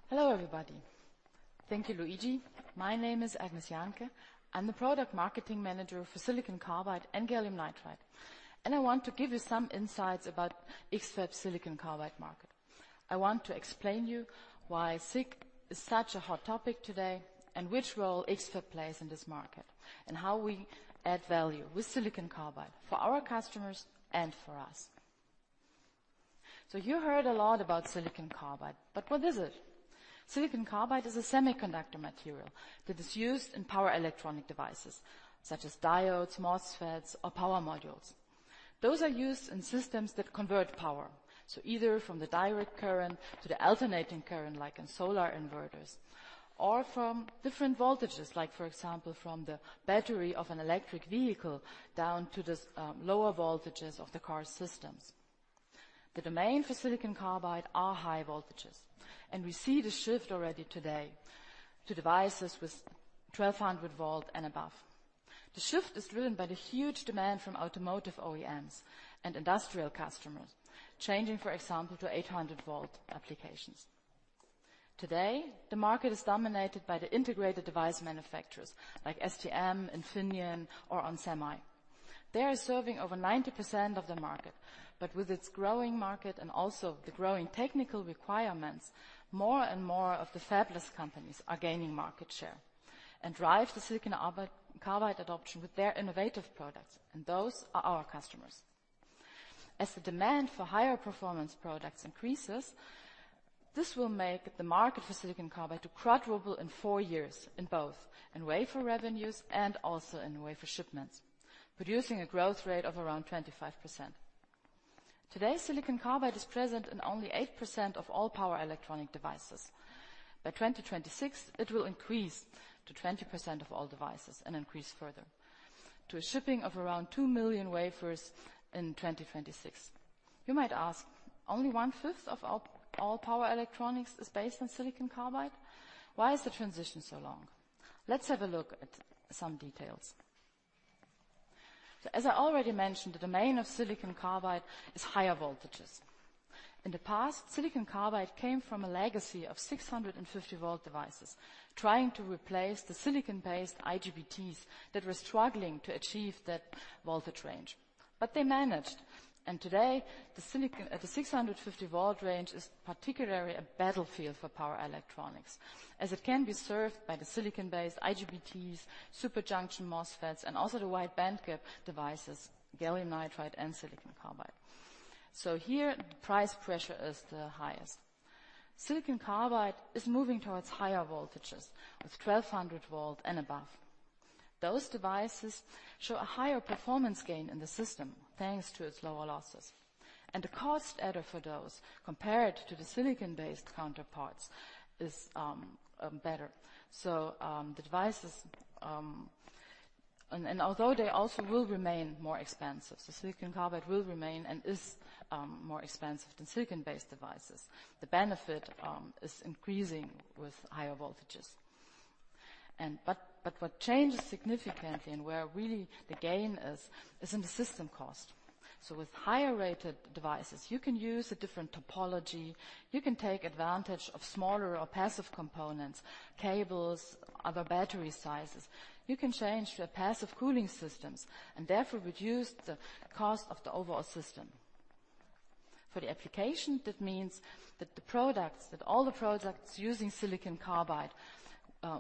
Hello, everybody. Thank you, Luigi. My name is Agnes Janke. I'm the product marketing manager for silicon carbide and gallium nitride, and I want to give you some insights about X-FAB silicon carbide market. I want to explain you why SiC is such a hot topic today, and which role X-FAB plays in this market, and how we add value with silicon carbide for our customers and for us. You heard a lot about silicon carbide, but what is it? Silicon carbide is a semiconductor material that is used in power electronic devices, such as diodes, MOSFETs, or power modules. Those are used in systems that convert power, so either from the direct current to the alternating current, like in solar inverters, or from different voltages, like for example, from the battery of an electric vehicle down to the lower voltages of the car systems. The domain for Silicon Carbide are high voltages, and we see the shift already today to devices with 1,200 V and above. The shift is driven by the huge demand from automotive OEMs and industrial customers, changing, for example, to 800 V applications. Today, the market is dominated by the integrated device manufacturers like STM, Infineon, or onsemi. They are serving over 90% of the market, but with its growing market and also the growing technical requirements, more and more of the fabless companies are gaining market share, and drive the Silicon Carbide adoption with their innovative products, and those are our customers. As the demand for higher performance products increases, this will make the market for Silicon Carbide to quadruple in 4 years, in both in wafer revenues and also in wafer shipments, producing a growth rate of around 25%. Today, silicon carbide is present in only 8% of all power electronic devices. By 2026, it will increase to 20% of all devices and increase further to a shipping of around 2 million wafers in 2026. You might ask, "Only one-fifth of all power electronics is based on silicon carbide? Why is the transition so long?" Let's have a look at some details. As I already mentioned, the domain of silicon carbide is higher voltages. In the past, silicon carbide came from a legacy of 650 volt devices, trying to replace the silicon-based IGBTs that were struggling to achieve that voltage range. They managed, and today, the silicon at the 650 volt range is particularly a battlefield for power electronics, as it can be served by the silicon-based IGBTs, superjunction MOSFETs, and also the wide bandgap devices, gallium nitride and silicon carbide. Here, price pressure is the highest. Silicon carbide is moving towards higher voltages of 1,200 volt and above. Those devices show a higher performance gain in the system, thanks to its lower losses. The cost added for those, compared to the silicon-based counterparts, is better. The devices, and although they also will remain more expensive, the silicon carbide will remain and is more expensive than silicon-based devices, the benefit is increasing with higher voltages. What changes significantly and where really the gain is in the system cost. With higher rated devices, you can use a different topology, you can take advantage of smaller or passive components, cables, other battery sizes. You can change the passive cooling systems and therefore reduce the cost of the overall system. For the application, that means that the products, that all the products using silicon carbide,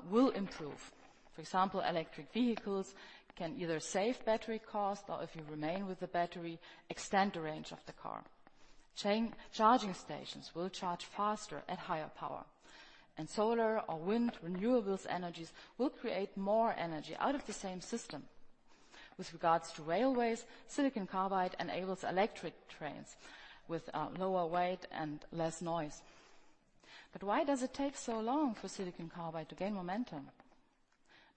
will improve. For example, electric vehicles can either save battery cost or, if you remain with the battery, extend the range of the car. Charging stations will charge faster at higher power. Solar or wind renewables energies will create more energy out of the same system. With regards to railways, silicon carbide enables electric trains with lower weight and less noise. Why does it take so long for silicon carbide to gain momentum?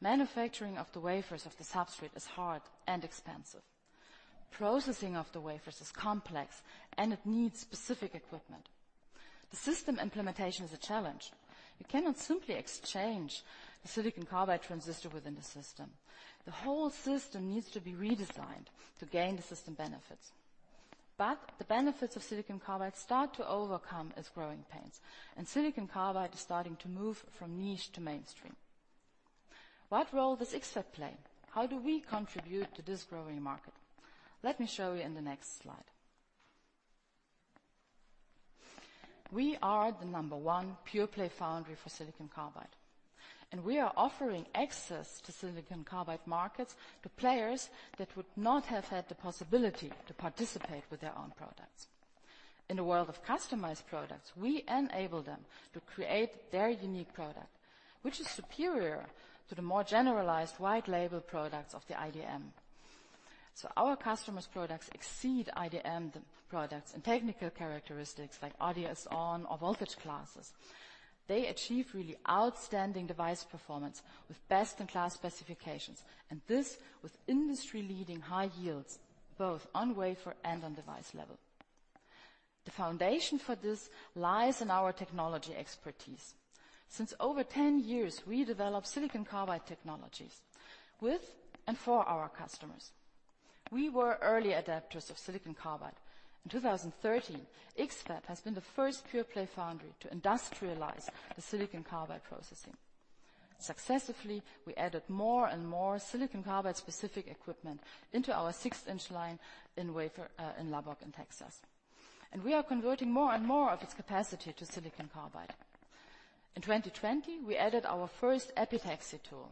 Manufacturing of the wafers of the substrate is hard and expensive. Processing of the wafers is complex, and it needs specific equipment. The system implementation is a challenge. You cannot simply exchange the silicon carbide transistor within the system. The whole system needs to be redesigned to gain the system benefits. The benefits of silicon carbide start to overcome its growing pains, and silicon carbide is starting to move from niche to mainstream. What role does X-FAB play? How do we contribute to this growing market? Let me show you in the next slide. We are the number one pure-play foundry for silicon carbide. We are offering access to silicon carbide markets to players that would not have had the possibility to participate with their own products. In a world of customized products, we enable them to create their unique product, which is superior to the more generalized white label products of the IDM. Our customers' products exceed IDM products and technical characteristics like RDS(on) or voltage classes. They achieve really outstanding device performance with best-in-class specifications, and this with industry-leading high yields, both on wafer and on device level. The foundation for this lies in our technology expertise. Since over 10 years, we developed silicon carbide technologies with and for our customers. We were early adapters of silicon carbide. In 2013, X-FAB has been the first pure-play foundry to industrialize the silicon carbide processing. Successively, we added more and more silicon carbide-specific equipment into our 6-inch line in wafer in Lubbock, Texas. We are converting more and more of its capacity to silicon carbide. In 2020, we added our first epitaxy tool,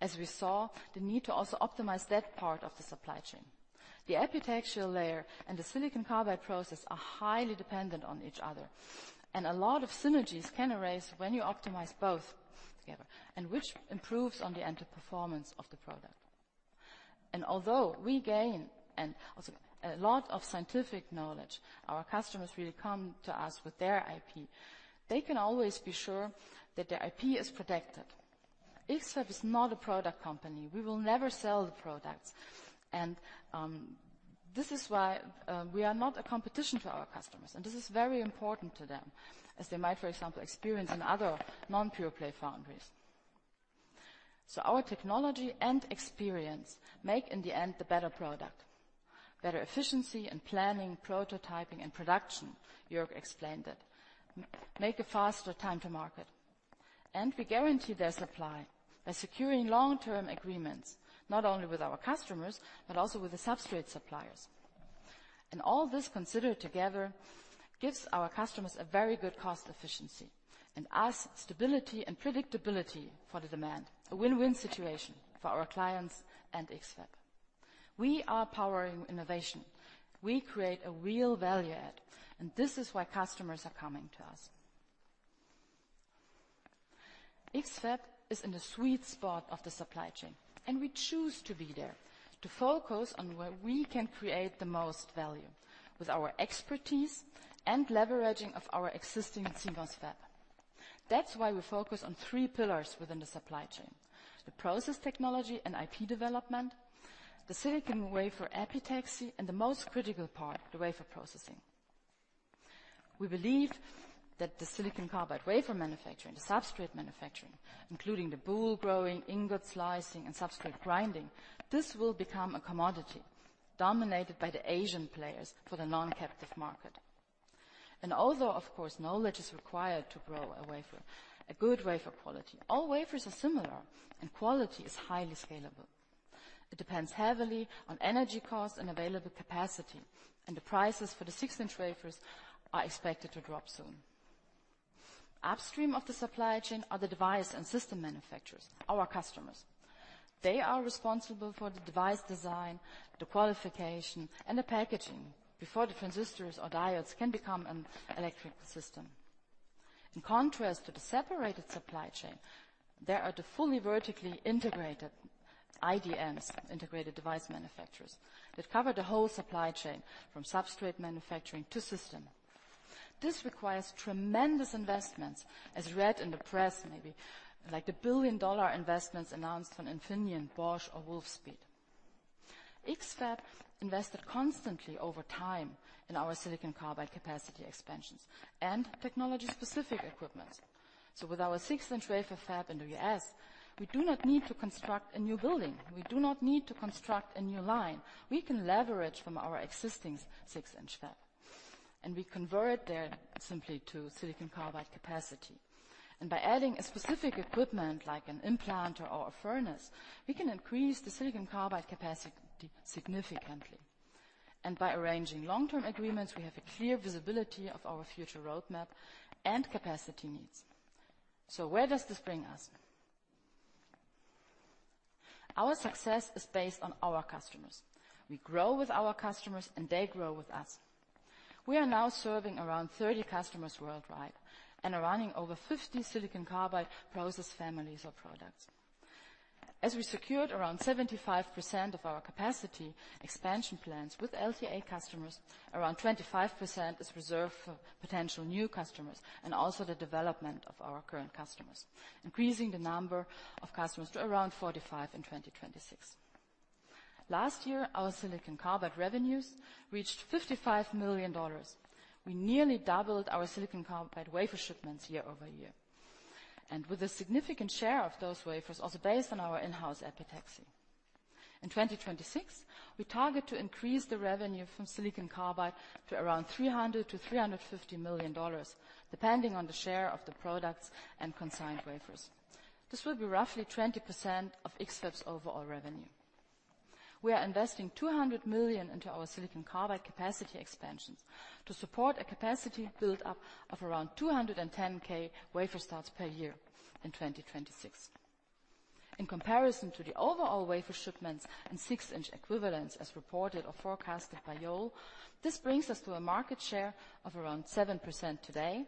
as we saw the need to also optimize that part of the supply chain. The epitaxial layer and the silicon carbide process are highly dependent on each other, a lot of synergies can arise when you optimize both together, and which improves on the end performance of the product. Although we gain and also a lot of scientific knowledge, our customers really come to us with their IP. They can always be sure that their IP is protected. X-FAB is not a product company, we will never sell the products, this is why we are not a competition to our customers, and this is very important to them, as they might, for example, experience in other non-pure-play foundries. Our technology and experience make, in the end, the better product. Better efficiency and planning, prototyping and production, Jörg explained it, make a faster time to market. We guarantee their supply by securing long-term agreements, not only with our customers, but also with the substrate suppliers. All this considered together, gives our customers a very good cost efficiency, and us, stability and predictability for the demand. A win-win situation for our clients and X-FAB. We are powering innovation. We create a real value add, and this is why customers are coming to us. X-FAB is in the sweet spot of the supply chain, and we choose to be there, to focus on where we can create the most value with our expertise and leveraging of our existing CMOS fab. That's why we focus on three pillars within the supply chain: the process technology and IP development, the silicon wafer epitaxy, and the most critical part, the wafer processing. We believe that the Silicon Carbide wafer manufacturing, the substrate manufacturing, including the boule growing, ingot slicing and substrate grinding, this will become a commodity dominated by the Asian players for the non-captive market. Although, of course, knowledge is required to grow a wafer, a good wafer quality, all wafers are similar and quality is highly scalable. It depends heavily on energy cost and available capacity, and the prices for the 6-inch wafers are expected to drop soon. Upstream of the supply chain are the device and system manufacturers, our customers. They are responsible for the device design, the qualification, and the packaging before the transistors or diodes can become an electric system. In contrast to the separated supply chain, there are the fully vertically integrated IDMs, integrated device manufacturers, that cover the whole supply chain from substrate manufacturing to system. This requires tremendous investments, as read in the press, maybe like the billion-dollar investments announced on Infineon, Bosch or Wolfspeed. X-FAB invested constantly over time in our silicon carbide capacity expansions and technology-specific equipment. With our 6-inch wafer fab in the U.S., we do not need to construct a new building, we do not need to construct a new line. We can leverage from our existing 6-inch fab, and we convert that simply to silicon carbide capacity. By adding a specific equipment, like an implant or a furnace, we can increase the silicon carbide capacity significantly. By arranging long-term agreements, we have a clear visibility of our future roadmap and capacity needs. Where does this bring us? Our success is based on our customers. We grow with our customers, and they grow with us. We are now serving around 30 customers worldwide and are running over 50 silicon carbide process families or products. We secured around 75% of our capacity expansion plans with LTA customers, around 25% is reserved for potential new customers and also the development of our current customers, increasing the number of customers to around 45 in 2026. Last year, our silicon carbide revenues reached $55 million. We nearly doubled our silicon carbide wafer shipments year-over-year, and with a significant share of those wafers also based on our in-house epitaxy. In 2026, we target to increase the revenue from silicon carbide to around $300 million-$350 million, depending on the share of the products and consigned wafers. This will be roughly 20% of X-FAB's overall revenue. We are investing $200 million into our silicon carbide capacity expansions to support a capacity build-up of around 210K wafer starts per year in 2026. In comparison to the overall wafer shipments and 6-inch equivalents as reported or forecasted by Yole, this brings us to a market share of around 7% today,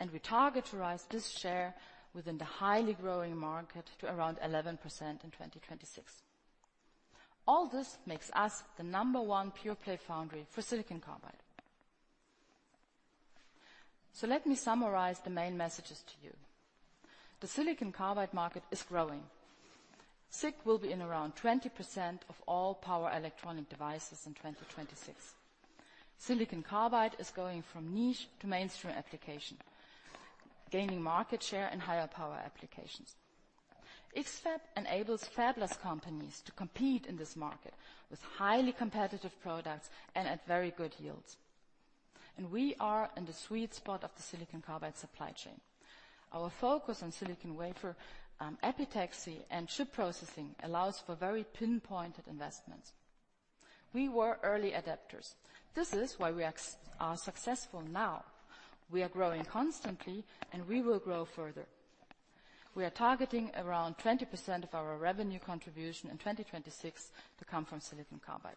and we target to rise this share within the highly growing market to around 11% in 2026. All this makes us the number one pure-play foundry for silicon carbide. Let me summarize the main messages to you. The silicon carbide market is growing. SiC will be in around 20% of all power electronic devices in 2026. Silicon carbide is going from niche to mainstream application, gaining market share and higher power applications. X-FAB enables fabless companies to compete in this market with highly competitive products and at very good yields. We are in the sweet spot of the Silicon Carbide supply chain. Our focus on silicon wafer, epitaxy and chip processing allows for very pinpointed investments. We were early adopters. This is why we are successful now. We are growing constantly, and we will grow further. We are targeting around 20% of our revenue contribution in 2026 to come from Silicon Carbide.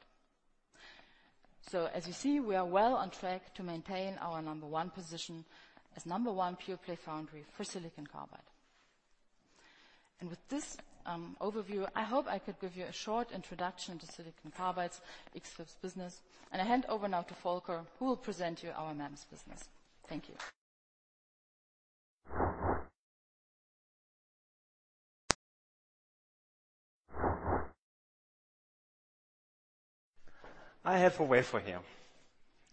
As you see, we are well on track to maintain our number one position as number one pure-play foundry for Silicon Carbide. With this overview, I hope I could give you a short introduction to Silicon Carbide, X-FAB's business, and I hand over now to Volker, who will present you our MEMS business. Thank you. I have a wafer here.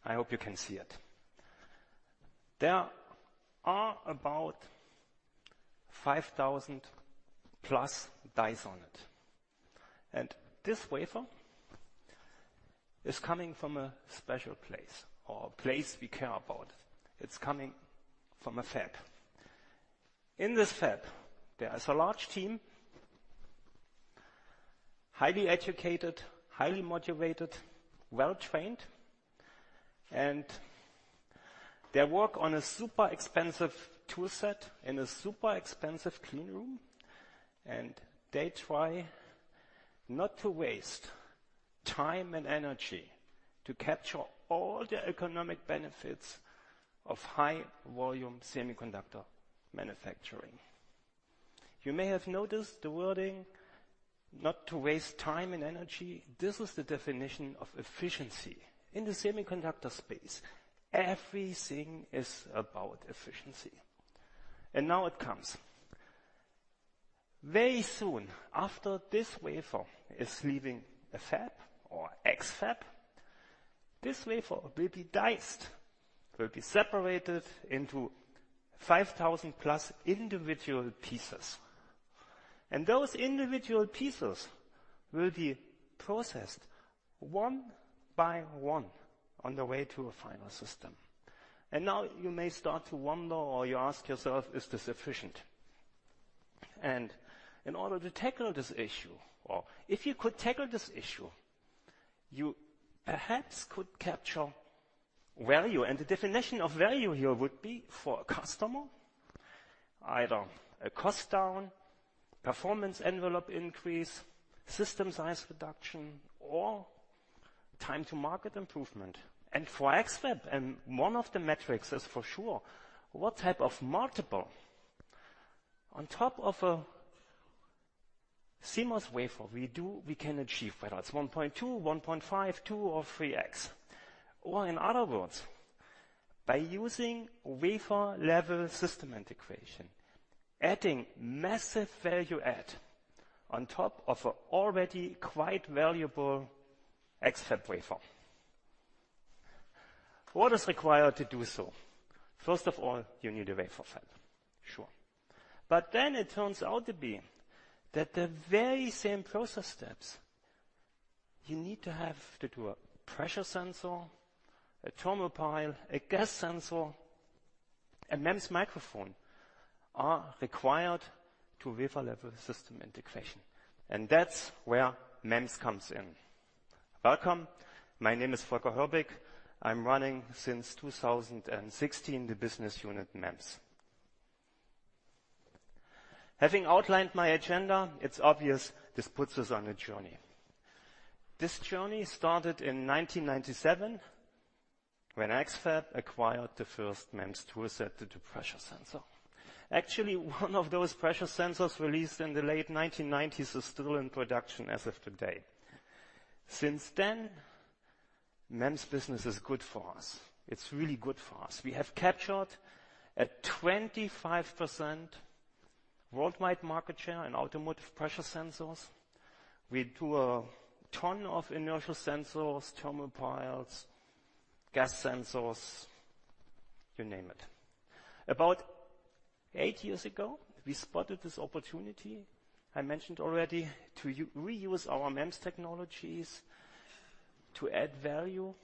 I hope you can see it. There are about 5,000+ dies on it, and this wafer is coming from a special place, or a place we care about. It's coming from a fab. In this fab, there is a large team, highly educated, highly motivated, well-trained, and they work on a super expensive tool set in a super expensive clean room, and they try not to waste time and energy to capture all the economic benefits of high-volume semiconductor manufacturing. You may have noticed the wording, "not to waste time and energy." This is the definition of efficiency. In the semiconductor space, everything is about efficiency. Now it comes. Very soon after this wafer is leaving a fab or X-FAB, this wafer will be diced, will be separated into 5,000 plus individual pieces, and those individual pieces will be processed one by one on the way to a final system. Now you may start to wonder or you ask yourself: Is this efficient? In order to tackle this issue, or if you could tackle this issue, you perhaps could capture value. The definition of value here would be for a customer, either a cost down, performance envelope increase, system size reduction, or time to market improvement. For X-FAB, one of the metrics is for sure, what type of multiple on top of a CMOS wafer we can achieve, whether it's 1.2, 1.5, 2 or 3x. In other words, by using wafer-level system integration, adding massive value add on top of an already quite valuable X-FAB wafer. What is required to do so? First of all, you need a wafer fab. Sure. It turns out to be that the very same process steps you need to have to do a pressure sensor, a thermopile, a gas sensor, a MEMS microphone, are required to wafer-level system integration, and that's where MEMS comes in. Welcome. My name is Volker Herbig. I'm running since 2016, the business unit, MEMS. Having outlined my agenda, it's obvious this puts us on a journey. This journey started in 1997, when X-FAB acquired the first MEMS toolset to do pressure sensor. Actually, one of those pressure sensors released in the late 1990s is still in production as of today. MEMS business is good for us. It's really good for us. We have captured a 25% worldwide market share in automotive pressure sensors. We do a ton of inertial sensors, thermopiles, gas sensors, you name it. About eight years ago, we spotted this opportunity, I mentioned already, to reuse our MEMS technologies to add value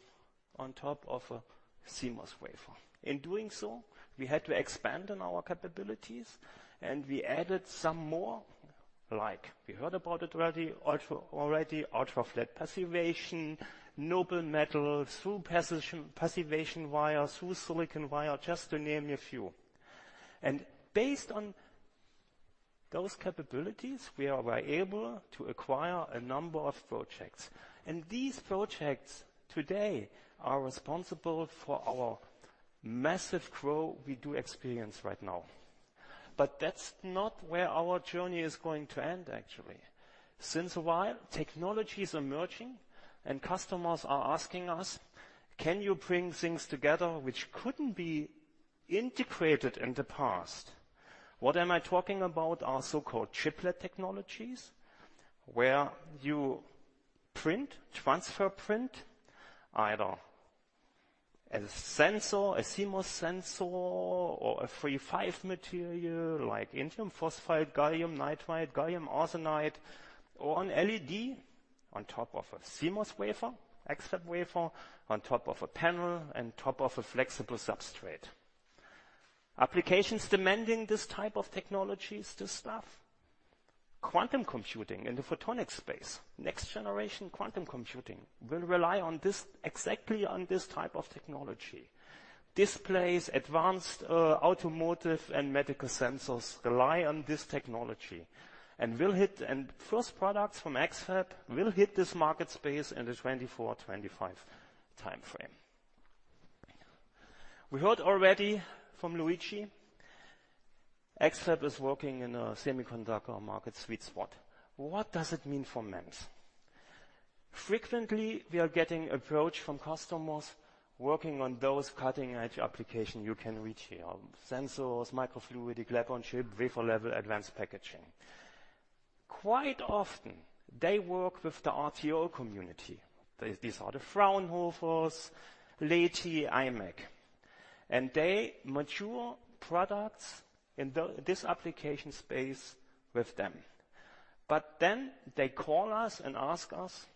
on top of a CMOS wafer. In doing so, we had to expand on our capabilities, and we added some more, like we heard about it already, ultra-flat passivation, noble metal, through passivation via, through-silicon via, just to name a few. Based on those capabilities, we are able to acquire a number of projects, and these projects today are responsible for our massive growth we do experience right now. That's not where our journey is going to end, actually. Since a while, technologies are merging, and customers are asking us: "Can you bring things together which couldn't be integrated in the past?" What am I talking about? Are so-called chiplet technologies, where you print, transfer print, either a sensor, a CMOS sensor, or a III-V material like indium phosphide, gallium nitride, gallium arsenide, or an LED on top of a CMOS wafer, X-FAB wafer, on top of a panel and top of a flexible substrate. Applications demanding this type of technologies, this stuff, quantum computing in the photonics space. Next-generation quantum computing will rely on this, exactly on this type of technology. Displays, advanced automotive and medical sensors rely on this technology and will hit... First products from X-FAB will hit this market space in the 2024, 2025 timeframe. We heard already from Luigi, X-FAB is working in a semiconductor market sweet spot. What does it mean for MEMS? Frequently, we are getting approach from customers working on those cutting-edge application you can reach here, sensors, microfluidic, lab-on-chip, wafer-level advanced packaging. Quite often they work with the RTO community. These are the Fraunhofer, LETI, IMEC, and they mature products in this application space with them. They call us and ask us: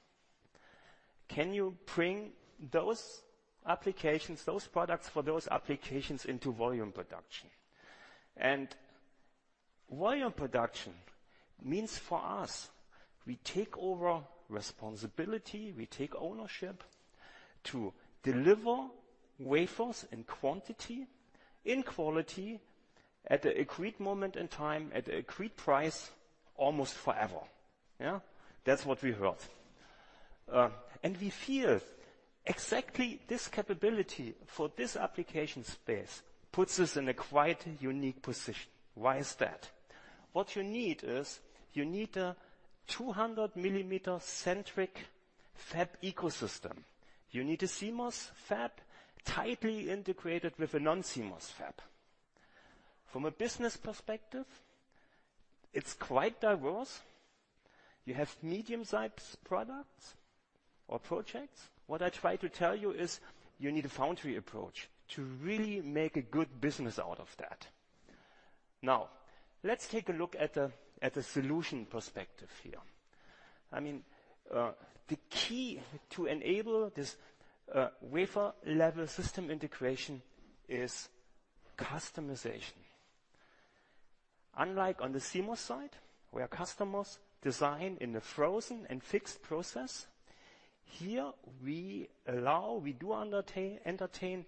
"Can you bring those applications, those products for those applications into volume production?" Volume production means for us, we take over responsibility, we take ownership to deliver wafers in quantity, in quality, at a agreed moment in time, at a agreed price, almost forever. Yeah, that's what we heard. And we feel exactly this capability for this application space puts us in a quite unique position. Why is that? What you need is, you need a 200 millimeter centric fab ecosystem. You need a CMOS fab, tightly integrated with a non-CMOS fab. From a business perspective, it's quite diverse. You have medium-sized products or projects. What I try to tell you is, you need a foundry approach to really make a good business out of that. Now, let's take a look at the solution perspective here. I mean, the key to enable this, wafer-level system integration is customization. Unlike on the CMOS side, where customers design in a frozen and fixed process, here we allow, we do entertain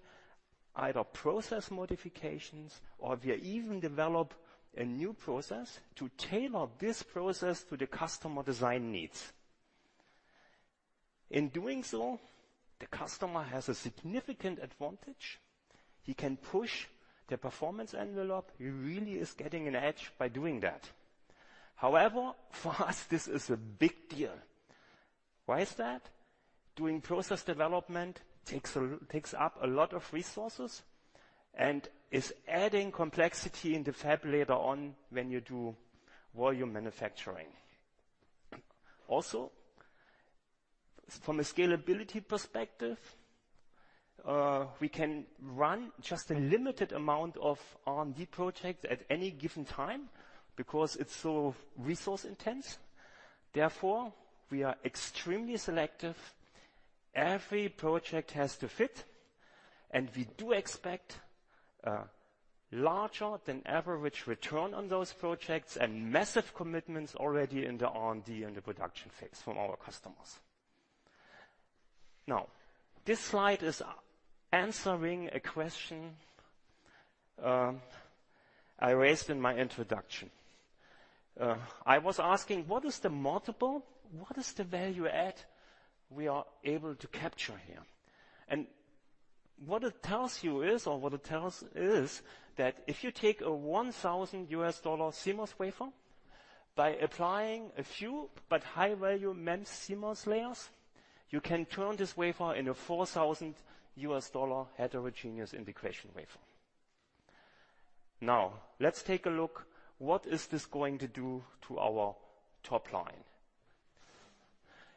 either process modifications or we even develop a new process to tailor this process to the customer design needs. In doing so, the customer has a significant advantage. He can push the performance envelope. He really is getting an edge by doing that. However, for us, this is a big deal. Why is that? Doing process development takes up a lot of resources and is adding complexity in the fab later on when you do volume manufacturing. Also, from a scalability perspective, we can run just a limited amount of R&D projects at any given time because it's so resource intense, therefore, we are extremely selective. Every project has to fit, and we do expect a larger-than-average return on those projects and massive commitments already in the R&D and the production phase from our customers. This slide is answering a question, I raised in my introduction. I was asking, what is the multiple, what is the value add we are able to capture here? What it tells is that if you take a $1,000 CMOS wafer, by applying a few but high-value MEMS CMOS layers, you can turn this wafer into $4,000 heterogeneous integration wafer. Let's take a look, what is this going to do to our top line?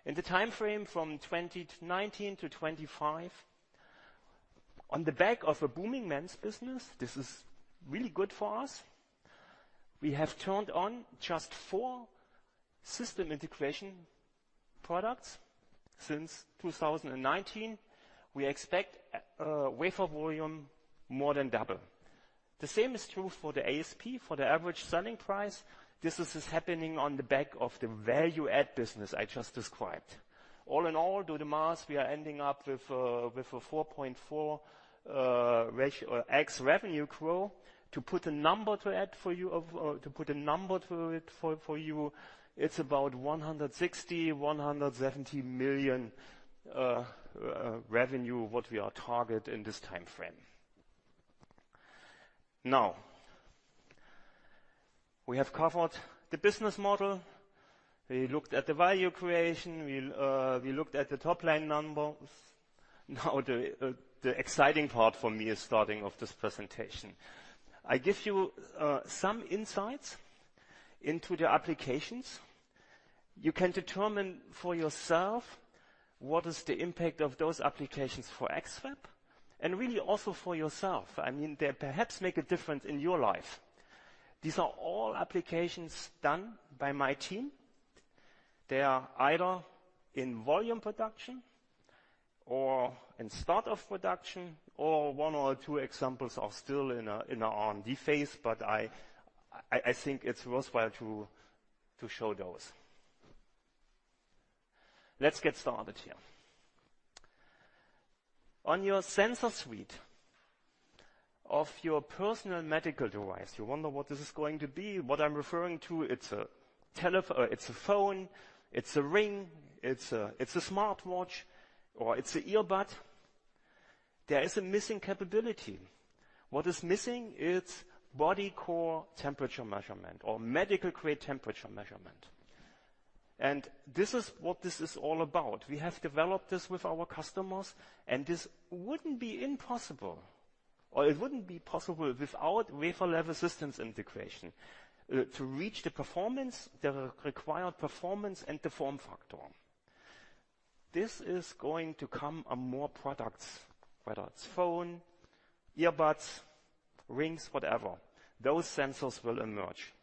In the time frame from 2019 to 2025, on the back of a booming MEMS business, this is really good for us. We have turned on just 4 system integration products since 2019. We expect wafer volume more than double. The same is true for the ASP, for the average selling price. This is happening on the back of the value-add business I just described. All in all, do the math, we are ending up with a 4.4 ratio or ex-revenue grow. To put a number to it for you, it's about $160 million-$170 million revenue, what we are target in this time frame. We have covered the business model. We looked at the value creation. We looked at the top-line numbers. The exciting part for me is starting of this presentation. I give you some insights into the applications. You can determine for yourself what is the impact of those applications for X-FAB and really also for yourself. I mean, they perhaps make a difference in your life. These are all applications done by my team. They are either in volume production or in start of production, or one or two examples are still in a, in a R&D phase, but I, I think it's worthwhile to show those. Let's get started here. On your sensor suite of your personal medical device, you wonder what this is going to be. What I'm referring to, it's a phone, it's a ring, it's a, it's a smartwatch, or it's a earbud. There is a missing capability. What is missing? It's body core temperature measurement or medical-grade temperature measurement, and this is what this is all about. We have developed this with our customers, and this wouldn't be impossible, or it wouldn't be possible without wafer-level systems integration to reach the performance, the required performance and the form factor. This is going to come on more products, whether it's phone, earbuds, rings, whatever. Those sensors will emerge.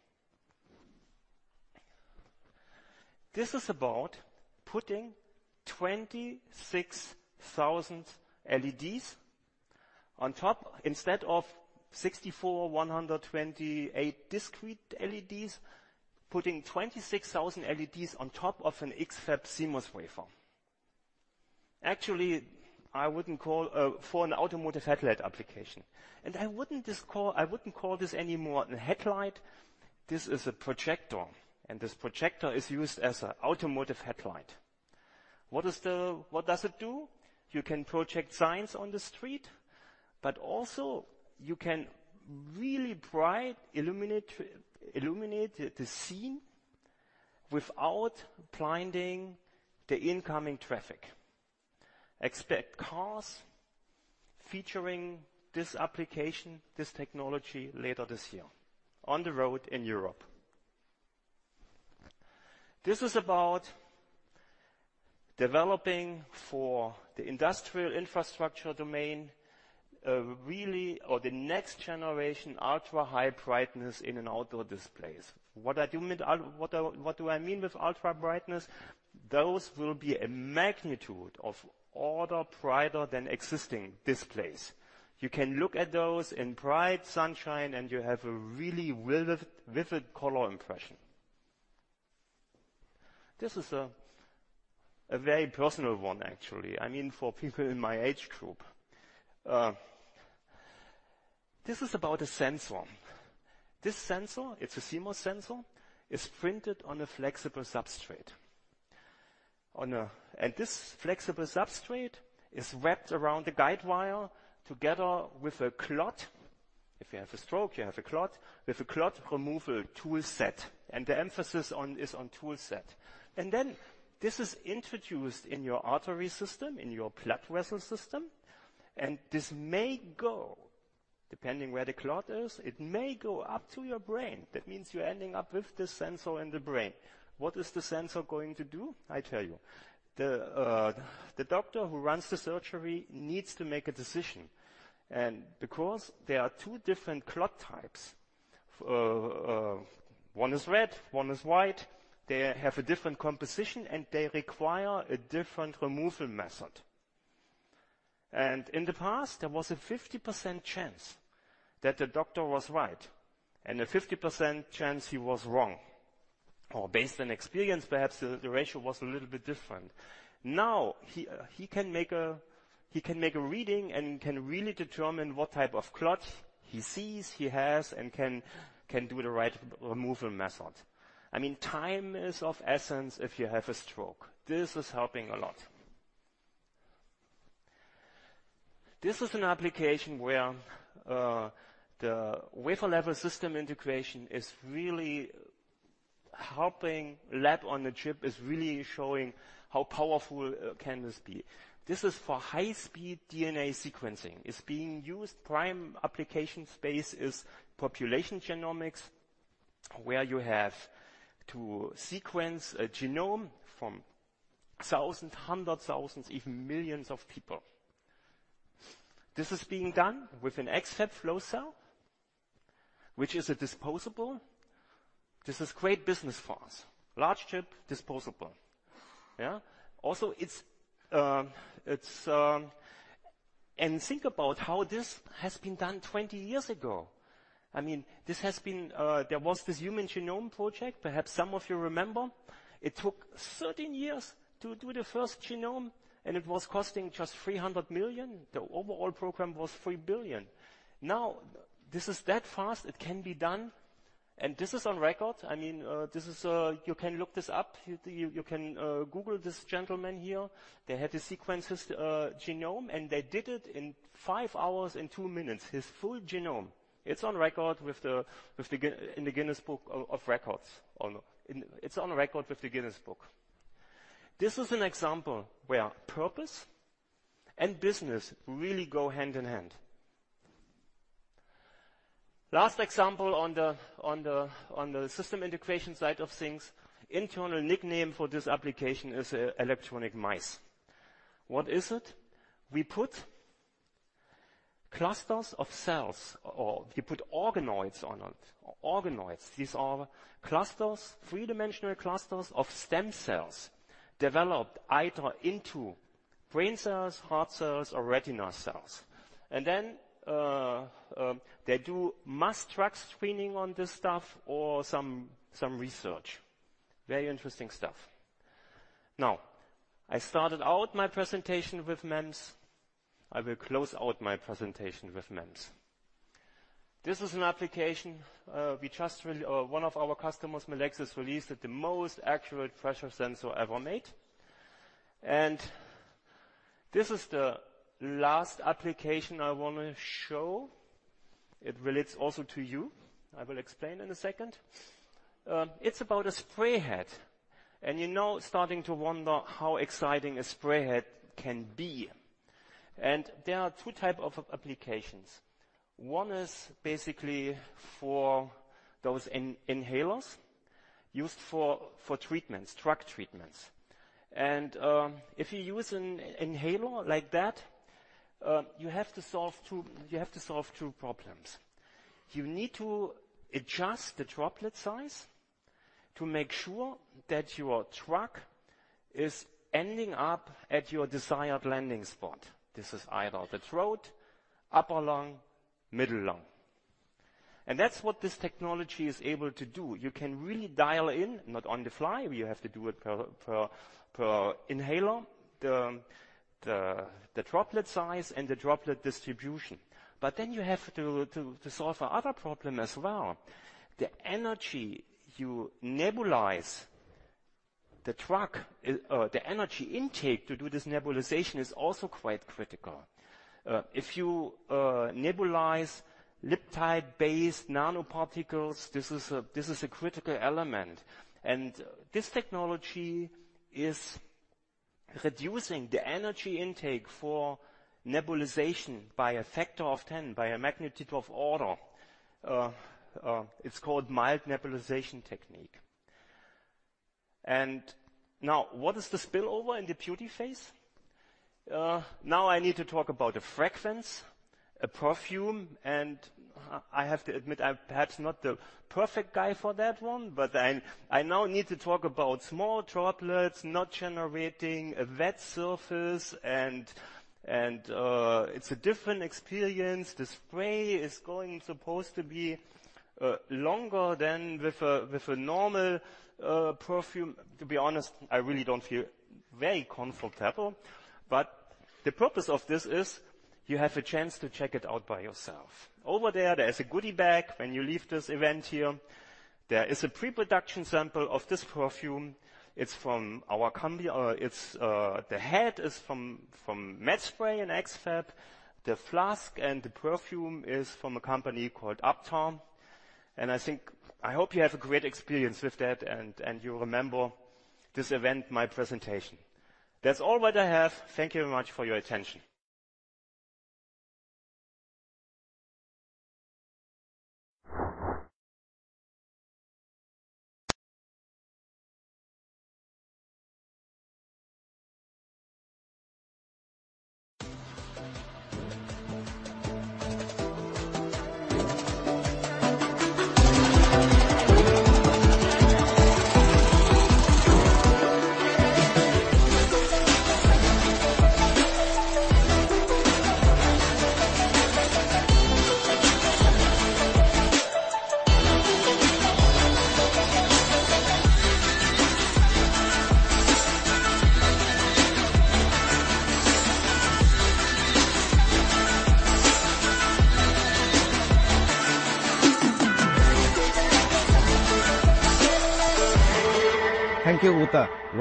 This is about putting 26,000 LEDs on top instead of 64, 128 discrete LEDs, putting 26,000 LEDs on top of an X-FAB CMOS wafer. Actually, I wouldn't call for an automotive headlight application, and I wouldn't call this any more a headlight. This is a projector, and this projector is used as an automotive headlight. What does it do? You can project signs on the street, but also you can really bright illuminate the scene without blinding the incoming traffic. Expect cars featuring this application, this technology, later this year on the road in Europe. This is about developing for the industrial infrastructure domain, really, or the next generation ultra-high brightness in and outdoor displays. What do I mean with ultra-brightness? Those will be a magnitude of order brighter than existing displays. You can look at those in bright sunshine, and you have a really vivid color impression. This is a very personal one, actually. I mean, for people in my age group. This is about a sensor. This sensor, it's a CMOS sensor, is printed on a flexible substrate. This flexible substrate is wrapped around a guide wire together with a clot. If you have a stroke, you have a clot, with a clot removal toolset, the emphasis is on toolset. This is introduced in your artery system, in your blood vessel system, and this may go, depending where the clot is, it may go up to your brain. That means you're ending up with this sensor in the brain. What is the sensor going to do? I tell you. The doctor who runs the surgery needs to make a decision, and because there are 2 different clot types, 1 is red, 1 is white, they have a different composition, and they require a different removal method. In the past, there was a 50% chance that the doctor was right and a 50% chance he was wrong, or based on experience, perhaps the ratio was a little bit different. Now, he can make a reading and can really determine what type of clot he sees, he has, and can do the right removal method. I mean, time is of essence if you have a stroke. This is helping a lot. This is an application where the wafer level system integration is really helping. Lab-on-a-chip is really showing how powerful can this be. This is for high-speed DNA sequencing. It's being used. Prime application space is population genomics, where you have to sequence a genome from 1,000, 100,000s, even millions of people. This is being done with an X-FAB flow cell, which is a disposable. This is great business for us. Large chip, disposable. Yeah? Also, it's. Think about how this has been done 20 years ago. I mean, this has been. There was this Human Genome Project, perhaps some of you remember. It took 13 years to do the first genome, and it was costing just $300 million. The overall program was $3 billion. Now, this is that fast. It can be done, and this is on record. I mean, this is, you can look this up. You can Google this gentleman here. They had to sequence his genome, and they did it in 5 hours and 2 minutes, his full genome. It's on record with the Guinness Book of Records. It's on record with the Guinness Book. This is an example where purpose and business really go hand in hand. Last example on the system integration side of things, internal nickname for this application is electronic mice. What is it? We put clusters of cells, or we put organoids on it. Organoids, these are clusters, three-dimensional clusters of stem cells, developed either into brain cells, heart cells, or retina cells. Then they do mass drug screening on this stuff or some research. Very interesting stuff. Now, I started out my presentation with MEMS. I will close out my presentation with MEMS. This is an application, one of our customers, Melexis, released it, the most accurate pressure sensor ever made. This is the last application I wanna show. It relates also to you. I will explain in a second. It's about a spray head, and you now starting to wonder how exciting a spray head can be. There are two type of applications. One is basically for those inhalers used for treatments, drug treatments. If you use an inhaler like that, you have to solve two problems. You need to adjust the droplet size to make sure that your drug is ending up at your desired landing spot. This is either the throat, upper lung, middle lung, and that's what this technology is able to do. You can really dial in, not on the fly, we have to do it per inhaler, the droplet size and the droplet distribution. But then you have to solve a other problem as well. The energy you nebulize the drug, the energy intake to do this nebulization is also quite critical. If you nebulize lipid-based nanoparticles, this is a, this is a critical element, and this technology is reducing the energy intake for nebulization by a factor of 10, by a magnitude of order. It's called mild nebulization technique. What is the spillover in the beauty phase? Now I need to talk about a fragrance, a perfume, I have to admit, I'm perhaps not the perfect guy for that one, but I now need to talk about small droplets, not generating a wet surface and it's a different experience. The spray is supposed to be longer than with a normal perfume. To be honest, I really don't feel very comfortable. The purpose of this is, you have a chance to check it out by yourself. Over there is a goodie bag when you leave this event here. There is a pre-production sample of this perfume. It's from our company, it's the head is from Medspray and X-FAB. The flask and the perfume is from a company called Uptom. I hope you have a great experience with that, and you remember this event, my presentation. That's all what I have. Thank you very much for your attention.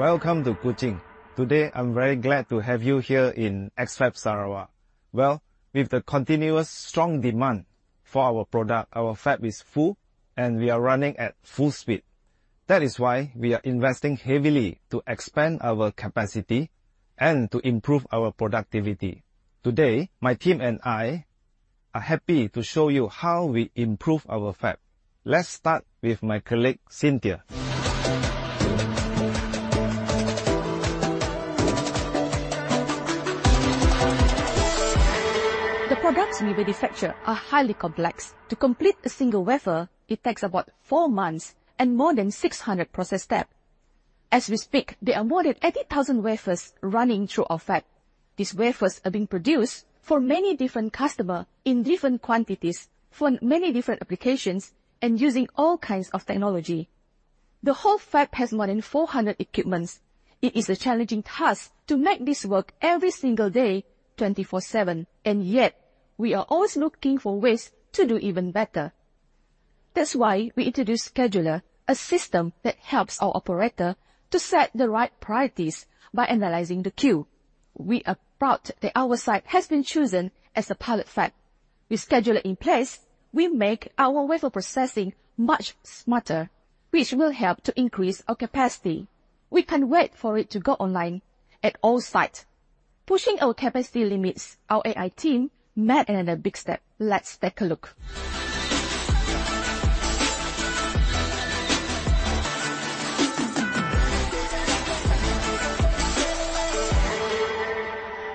Thank you, Uta. Welcome to Kuching. Today, I'm very glad to have you here in X-FAB Sarawak. Well, with the continuous strong demand for our product, our fab is full, and we are running at full speed. That is why we are investing heavily to expand our capacity and to improve our productivity. Today, my team and I are happy to show you how we improve our fab. Let's start with my colleague, Cynthia. The products we manufacture are highly complex. To complete a single wafer, it takes about four months and more than 600 process step. As we speak, there are more than 80,000 wafers running through our fab. These wafers are being produced for many different customer, in different quantities, for many different applications, and using all kinds of technology. The whole fab has more than 400 equipments. It is a challenging task to make this work every single day, 24/7, and yet we are always looking for ways to do even better. That's why we introduced Scheduler, a system that helps our operator to set the right priorities by analyzing the queue. We are proud that our site has been chosen as a pilot fab. With Scheduler in place, we make our wafer processing much smarter, which will help to increase our capacity. We can't wait for it to go online at all sites. Pushing our capacity limits, our AI team made another big step. Let's take a look.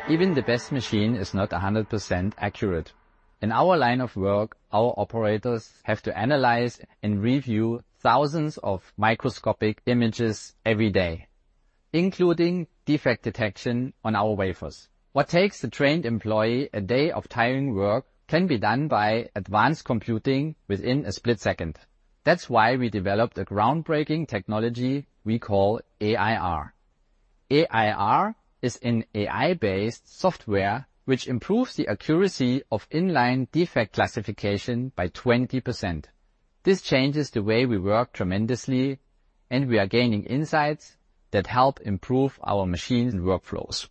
Even the best machine is not 100% accurate. In our line of work, our operators have to analyze and review thousands of microscopic images every day, including defect detection on our wafers. What takes a trained employee a day of tiring work, can be done by advanced computing within a split second. That's why we developed a groundbreaking technology we call AIR. AIR is an AI-based software, which improves the accuracy of in-line defect classification by 20%. This changes the way we work tremendously, and we are gaining insights that help improve our machines and workflows.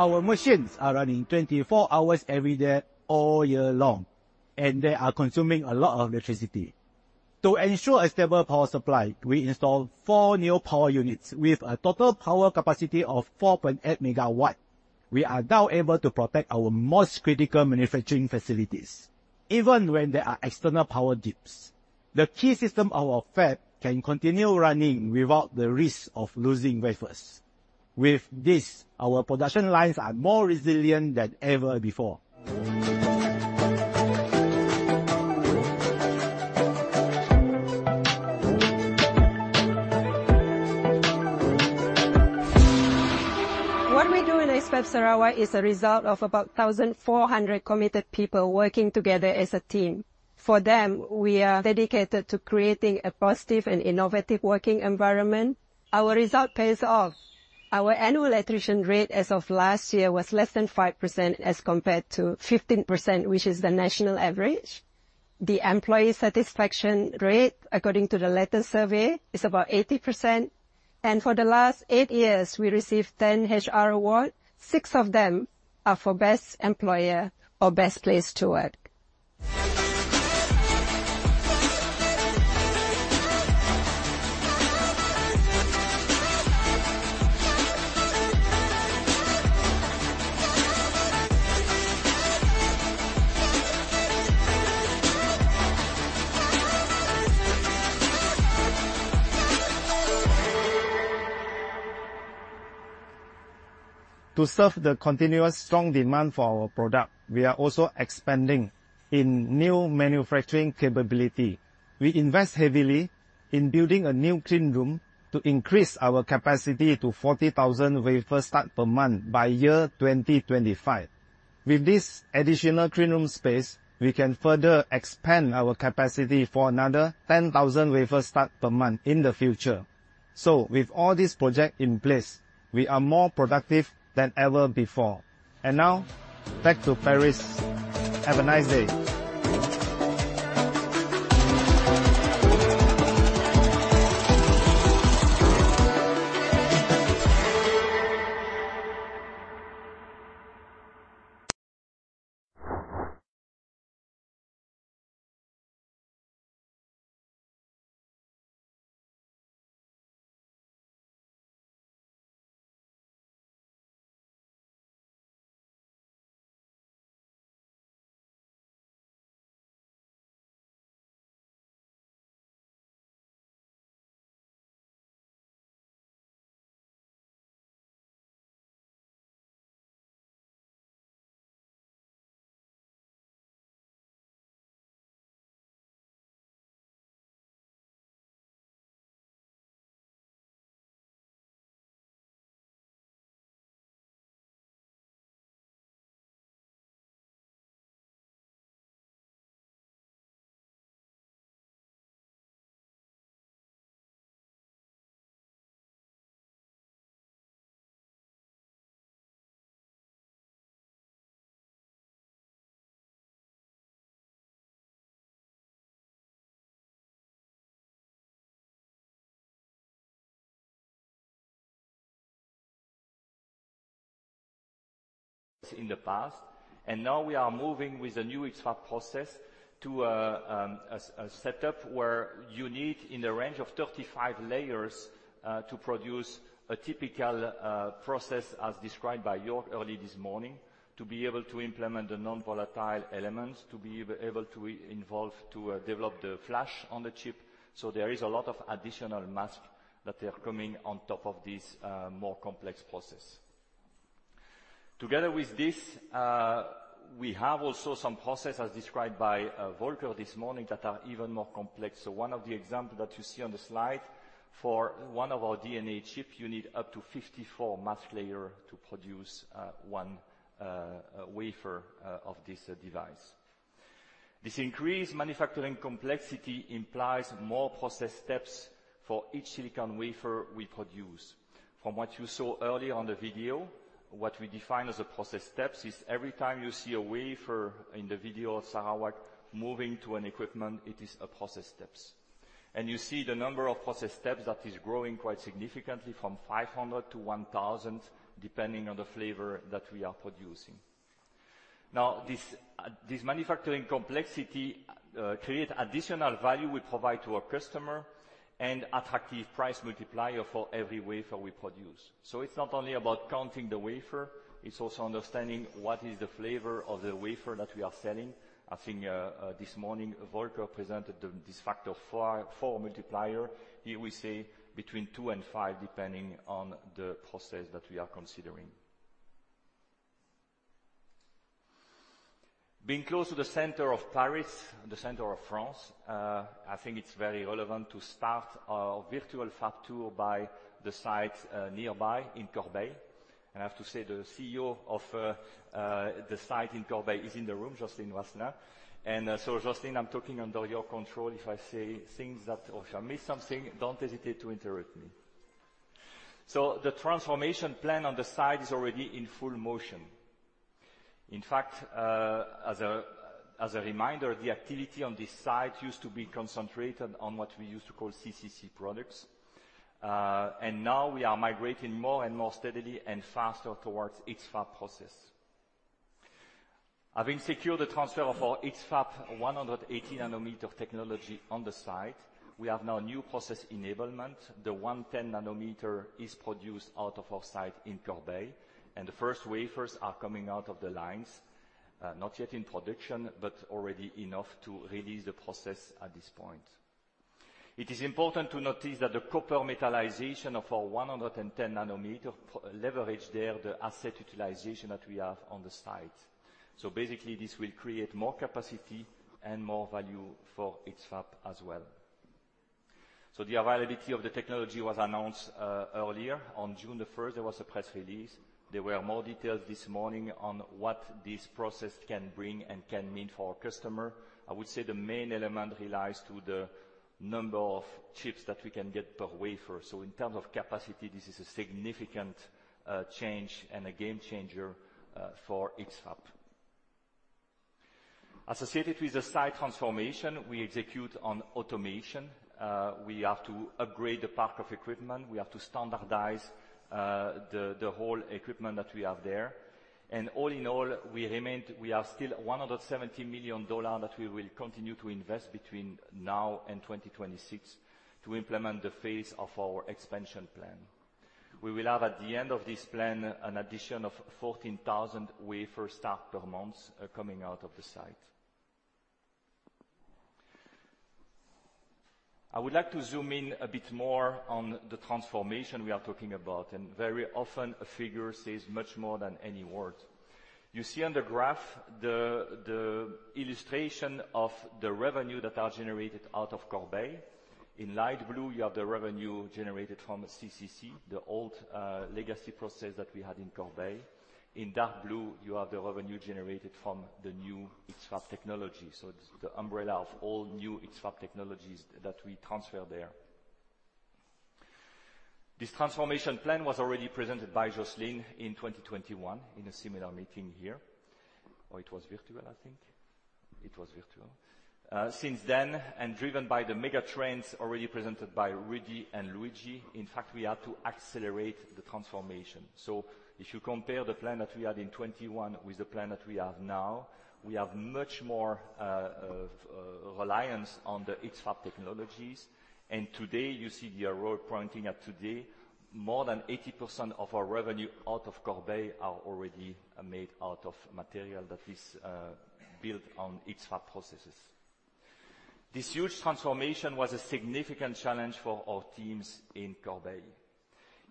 Our machines are running 24 hours every day, all year long, and they are consuming a lot of electricity. To ensure a stable power supply, we installed four new power units with a total power capacity of 4.8 MW. We are now able to protect our most critical manufacturing facilities, even when there are external power dips. The key system of our fab can continue running without the risk of losing wafers. With this, our production lines are more resilient than ever before. What we do in X-FAB Sarawak is a result of about 1,400 committed people working together as a team. For them, we are dedicated to creating a positive and innovative working environment. Our result pays off. Our annual attrition rate as of last year, was less than 5% as compared to 15%, which is the national average. The employee satisfaction rate, according to the latest survey, is about 80%, and for the last eight years, we received 10 HR award. Six of them are for Best Employer or Best Place to Work. To serve the continuous strong demand for our product, we are also expanding in new manufacturing capability. We invest heavily in building a new clean room to increase our capacity to 40,000 wafer start per month by year 2025. With this additional clean room space, we can further expand our capacity for another 10,000 wafer start per month in the future. With all these projects in place, we are more productive than ever before. Now, back to Paris. Have a nice day. In the past, now we are moving with a new X-FAB process to a setup where you need in the range of 35 layers to produce a typical process, as described by Jörg Doblaski early this morning, to be able to implement the non-volatile elements, to be able to involve, to develop the flash on the chip. There is a lot of additional mask that are coming on top of this more complex process. Together with this, we have also some process, as described by Volker Herbig this morning, that are even more complex. One of the example that you see on the slide, for one of our DNA chip, you need up to 54 mask layer to produce 1 wafer of this device. This increased manufacturing complexity implies more process steps for each silicon wafer we produce. From what you saw earlier on the video, what we define as the process steps is every time you see a wafer in the video of Sarawak moving to an equipment, it is a process steps. You see the number of process steps that is growing quite significantly from 500 to 1,000, depending on the flavor that we are producing. This manufacturing complexity create additional value we provide to our customer and attractive price multiplier for every wafer we produce. It's not only about counting the wafer, it's also understanding what is the flavor of the wafer that we are selling. I think this morning, Volker presented this factor 4 multiplier. Here, we say between two and five, depending on the process that we are considering. Being close to the center of Paris, the center of France, I think it's very relevant to start our virtual fab tour by the site nearby in Corbeil. I have to say, the CEO of the site in Corbeil is in the room, Justine Wasner. Justine, I'm talking under your control. If I miss something, don't hesitate to interrupt me. The transformation plan on the site is already in full motion. In fact, as a reminder, the activity on this site used to be concentrated on what we used to call CCC products. Now we are migrating more and more steadily and faster towards X-FAB process. Having secured the transfer of our X-FAB 180nm technology on the site, we have now new process enablement. The 110nm is produced out of our site in Corbeil, and the first wafers are coming out of the lines, not yet in production, but already enough to release the process at this point. It is important to notice that the copper metallization of our 110nm leverage there, the asset utilization that we have on the site. Basically, this will create more capacity and more value for X-FAB as well. The availability of the technology was announced earlier. On June the first, there was a press release. There were more details this morning on what this process can bring and can mean for our customer. I would say the main element relies to the number of chips that we can get per wafer. In terms of capacity, this is a significant change and a game changer for X-FAB. Associated with the site transformation, we execute on automation. We have to upgrade the pack of equipment. We have to standardize the whole equipment that we have there. All in all, we are still $170 million that we will continue to invest between now and 2026 to implement the phase of our expansion plan. We will have, at the end of this plan, an addition of 14,000 wafer start per month coming out of the site. I would like to zoom in a bit more on the transformation we are talking about. Very often a figure says much more than any word. You see on the graph the illustration of the revenue that are generated out of Corbeil. In light blue, you have the revenue generated from CCC, the old legacy process that we had in Corbeil. In dark blue, you have the revenue generated from the new ITSfab technology, so the umbrella of all new ITSfab technologies that we transfer there. This transformation plan was already presented by Jörg Doblaski in 2021 in a similar meeting here, or it was virtual, I think. It was virtual. Since then, and driven by the mega trends already presented by Rudy and Luigi Di Capua, in fact, we had to accelerate the transformation. If you compare the plan that we had in 2021 with the plan that we have now, we have much more reliance on the ITSfab technologies. Today, you see the arrow pointing at today, more than 80% of our revenue out of Corbeil are already made out of material that is built on ITSfab processes. This huge transformation was a significant challenge for our teams in Corbeil,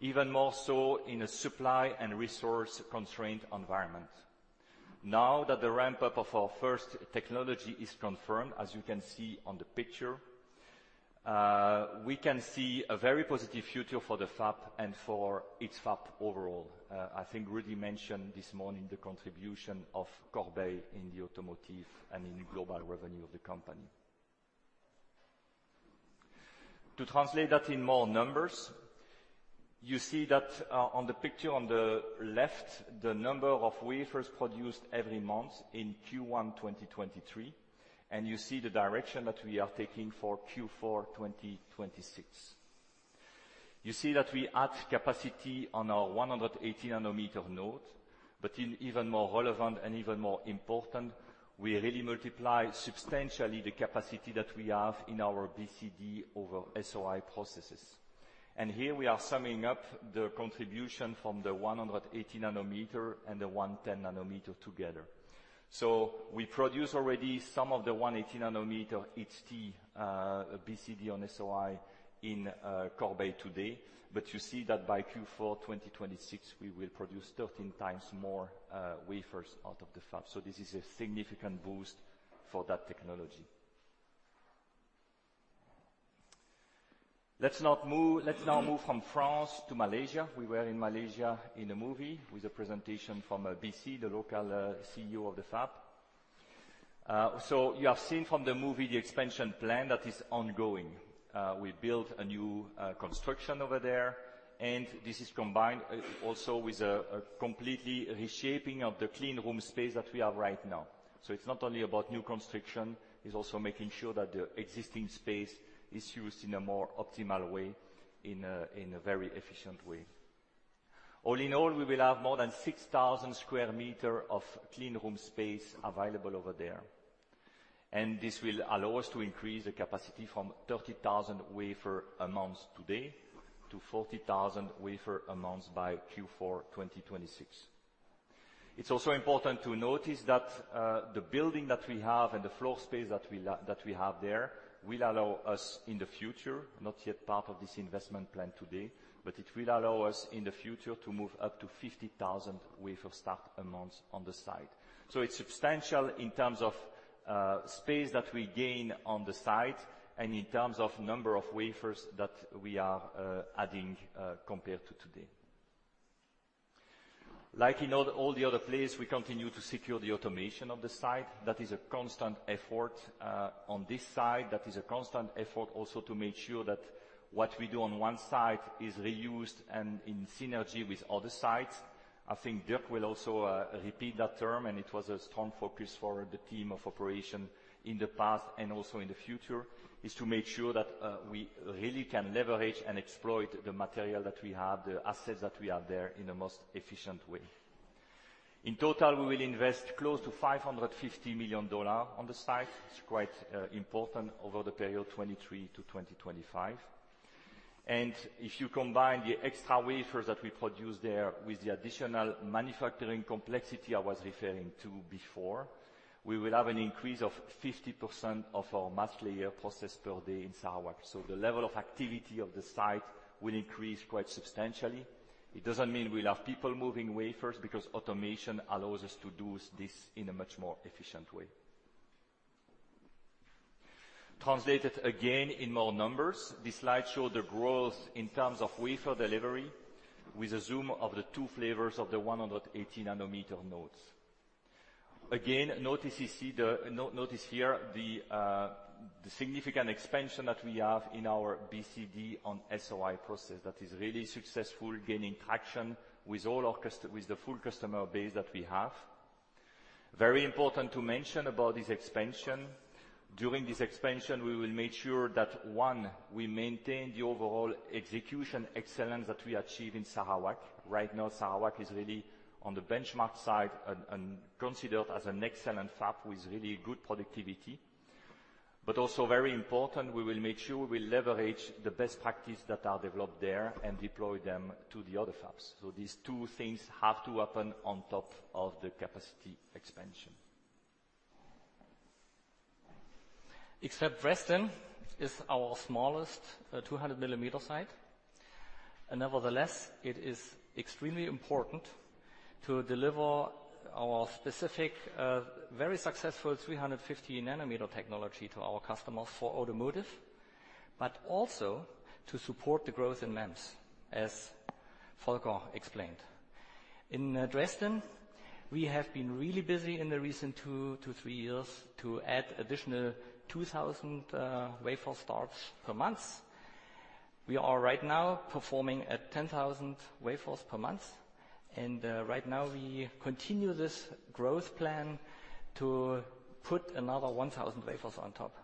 even more so in a supply and resource-constrained environment. Now that the ramp-up of our first technology is confirmed, as you can see on the picture, we can see a very positive future for the fab and for ITSfab overall. I think Rudy mentioned this morning the contribution of Corbeil in the automotive and in global revenue of the company. To translate that in more numbers, you see that on the picture on the left, the number of wafers produced every month in Q1 2023, and you see the direction that we are taking for Q4 2026. You see that we add capacity on our 180 nanometer node, but in even more relevant and even more important, we really multiply substantially the capacity that we have in our BCD-on-SOI processes. Here, we are summing up the contribution from the 180 nanometer and the 110 nanometer together. We produce already some of the 180 nanometer HT BCD-on-SOI in Corbeil today, but you see that by Q4 2026, we will produce 13 times more wafers out of the fab. This is a significant boost for that technology. Let's now move from France to Malaysia. We were in Malaysia in a movie with a presentation from BC, the local CEO of the fab. You have seen from the movie the expansion plan that is ongoing. We built a new construction over there, this is combined also with a completely reshaping of the clean room space that we have right now. It's not only about new construction, it's also making sure that the existing space is used in a more optimal way, in a very efficient way. All in all, we will have more than 6,000 square meter of clean room space available over there, this will allow us to increase the capacity from 30,000 wafer a month today to 40,000 wafer a month by Q4 2026. It's also important to notice that the building that we have and the floor space that we have there will allow us in the future, not yet part of this investment plan today, but it will allow us in the future to move up to 50,000 wafer start a month on the site. It's substantial in terms of space that we gain on the site and in terms of number of wafers that we are adding compared to today. Like in all the other place, we continue to secure the automation of the site. That is a constant effort on this side. That is a constant effort also to make sure that what we do on one site is reused and in synergy with other sites. I think Dirk will also repeat that term, and it was a strong focus for the team of operation in the past and also in the future, is to make sure that we really can leverage and exploit the material that we have, the assets that we have there in the most efficient way. In total, we will invest close to $550 million on the site. It's quite important over the period 2023 to 2025. If you combine the extra wafers that we produce there with the additional manufacturing complexity I was referring to before, we will have an increase of 50% of our mask layer process per day in Sarawak. The level of activity of the site will increase quite substantially. It doesn't mean we'll have people moving wafers, because automation allows us to do this in a much more efficient way. Translated again in more numbers, this slide show the growth in terms of wafer delivery with a zoom of the two flavors of the 180 nanometer nodes. Again, notice here the significant expansion that we have in our BCD-on-SOI process that is really successful, gaining traction with all our with the full customer base that we have. Very important to mention about this expansion, during this expansion, we will make sure that, one, we maintain the overall execution excellence that we achieve in Sarawak. Right now, Sarawak is really on the benchmark side and considered as an excellent fab with really good productivity. Also very important, we will make sure we leverage the best practice that are developed there and deploy them to the other fabs. These two things have to happen on top of the capacity expansion. X-FAB Dresden is our smallest 200 millimeter site. Nevertheless, it is extremely important to deliver our specific very successful 350 nanometer technology to our customers for automotive, but also to support the growth in MEMS, as Volker explained. In Dresden, we have been really busy in the recent 2 to 3 years to add additional 2,000 wafer starts per month. We are right now performing at 10,000 wafers per month. Right now, we continue this growth plan to put another 1,000 wafers on top.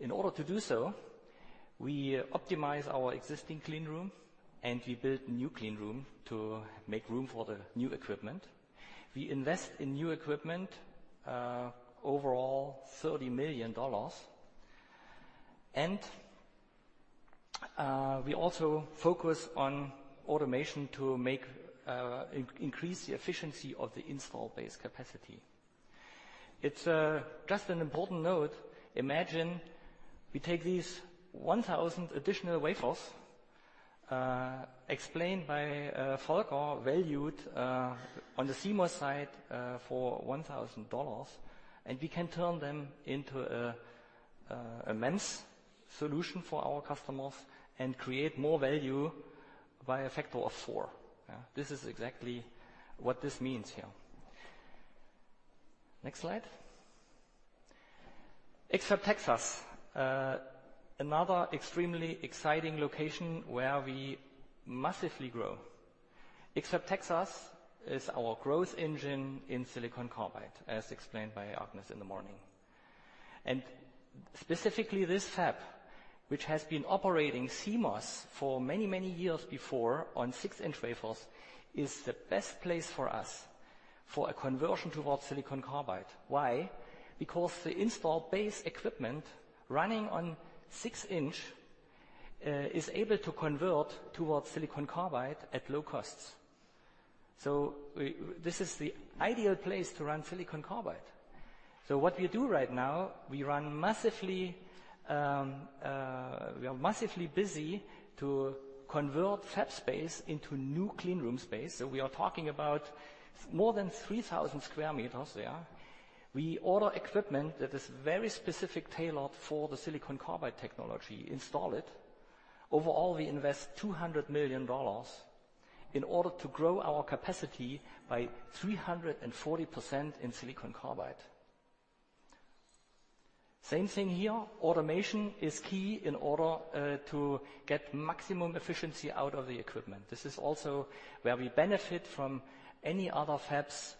In order to do so, we optimize our existing cleanroom. We build new cleanroom to make room for the new equipment. We invest in new equipment, overall $30 million. We also focus on automation to increase the efficiency of the installed base capacity. It's just an important note, imagine we take these 1,000 additional wafers, explained by Volker, valued on the CMOS side for $1,000, and we can turn them into a MEMS solution for our customers and create more value by a factor of 4, yeah. This is exactly what this means here. Next slide. X-FAB Texas, another extremely exciting location where we massively grow. X-FAB Texas is our growth engine in silicon carbide, as explained by Agnes in the morning. Specifically, this fab, which has been operating CMOS for many, many years before on 6-inch wafers, is the best place for us for a conversion towards silicon carbide. Why? Because the installed base equipment running on 6-inch is able to convert towards silicon carbide at low costs. This is the ideal place to run silicon carbide. What we do right now, we run massively, we are massively busy to convert fab space into new cleanroom space. We are talking about more than 3,000 square meters there. We order equipment that is very specific tailored for the silicon carbide technology, install it. Overall, we invest $200 million in order to grow our capacity by 340% in silicon carbide. Same thing here, automation is key in order to get maximum efficiency out of the equipment. This is also where we benefit from any other fab's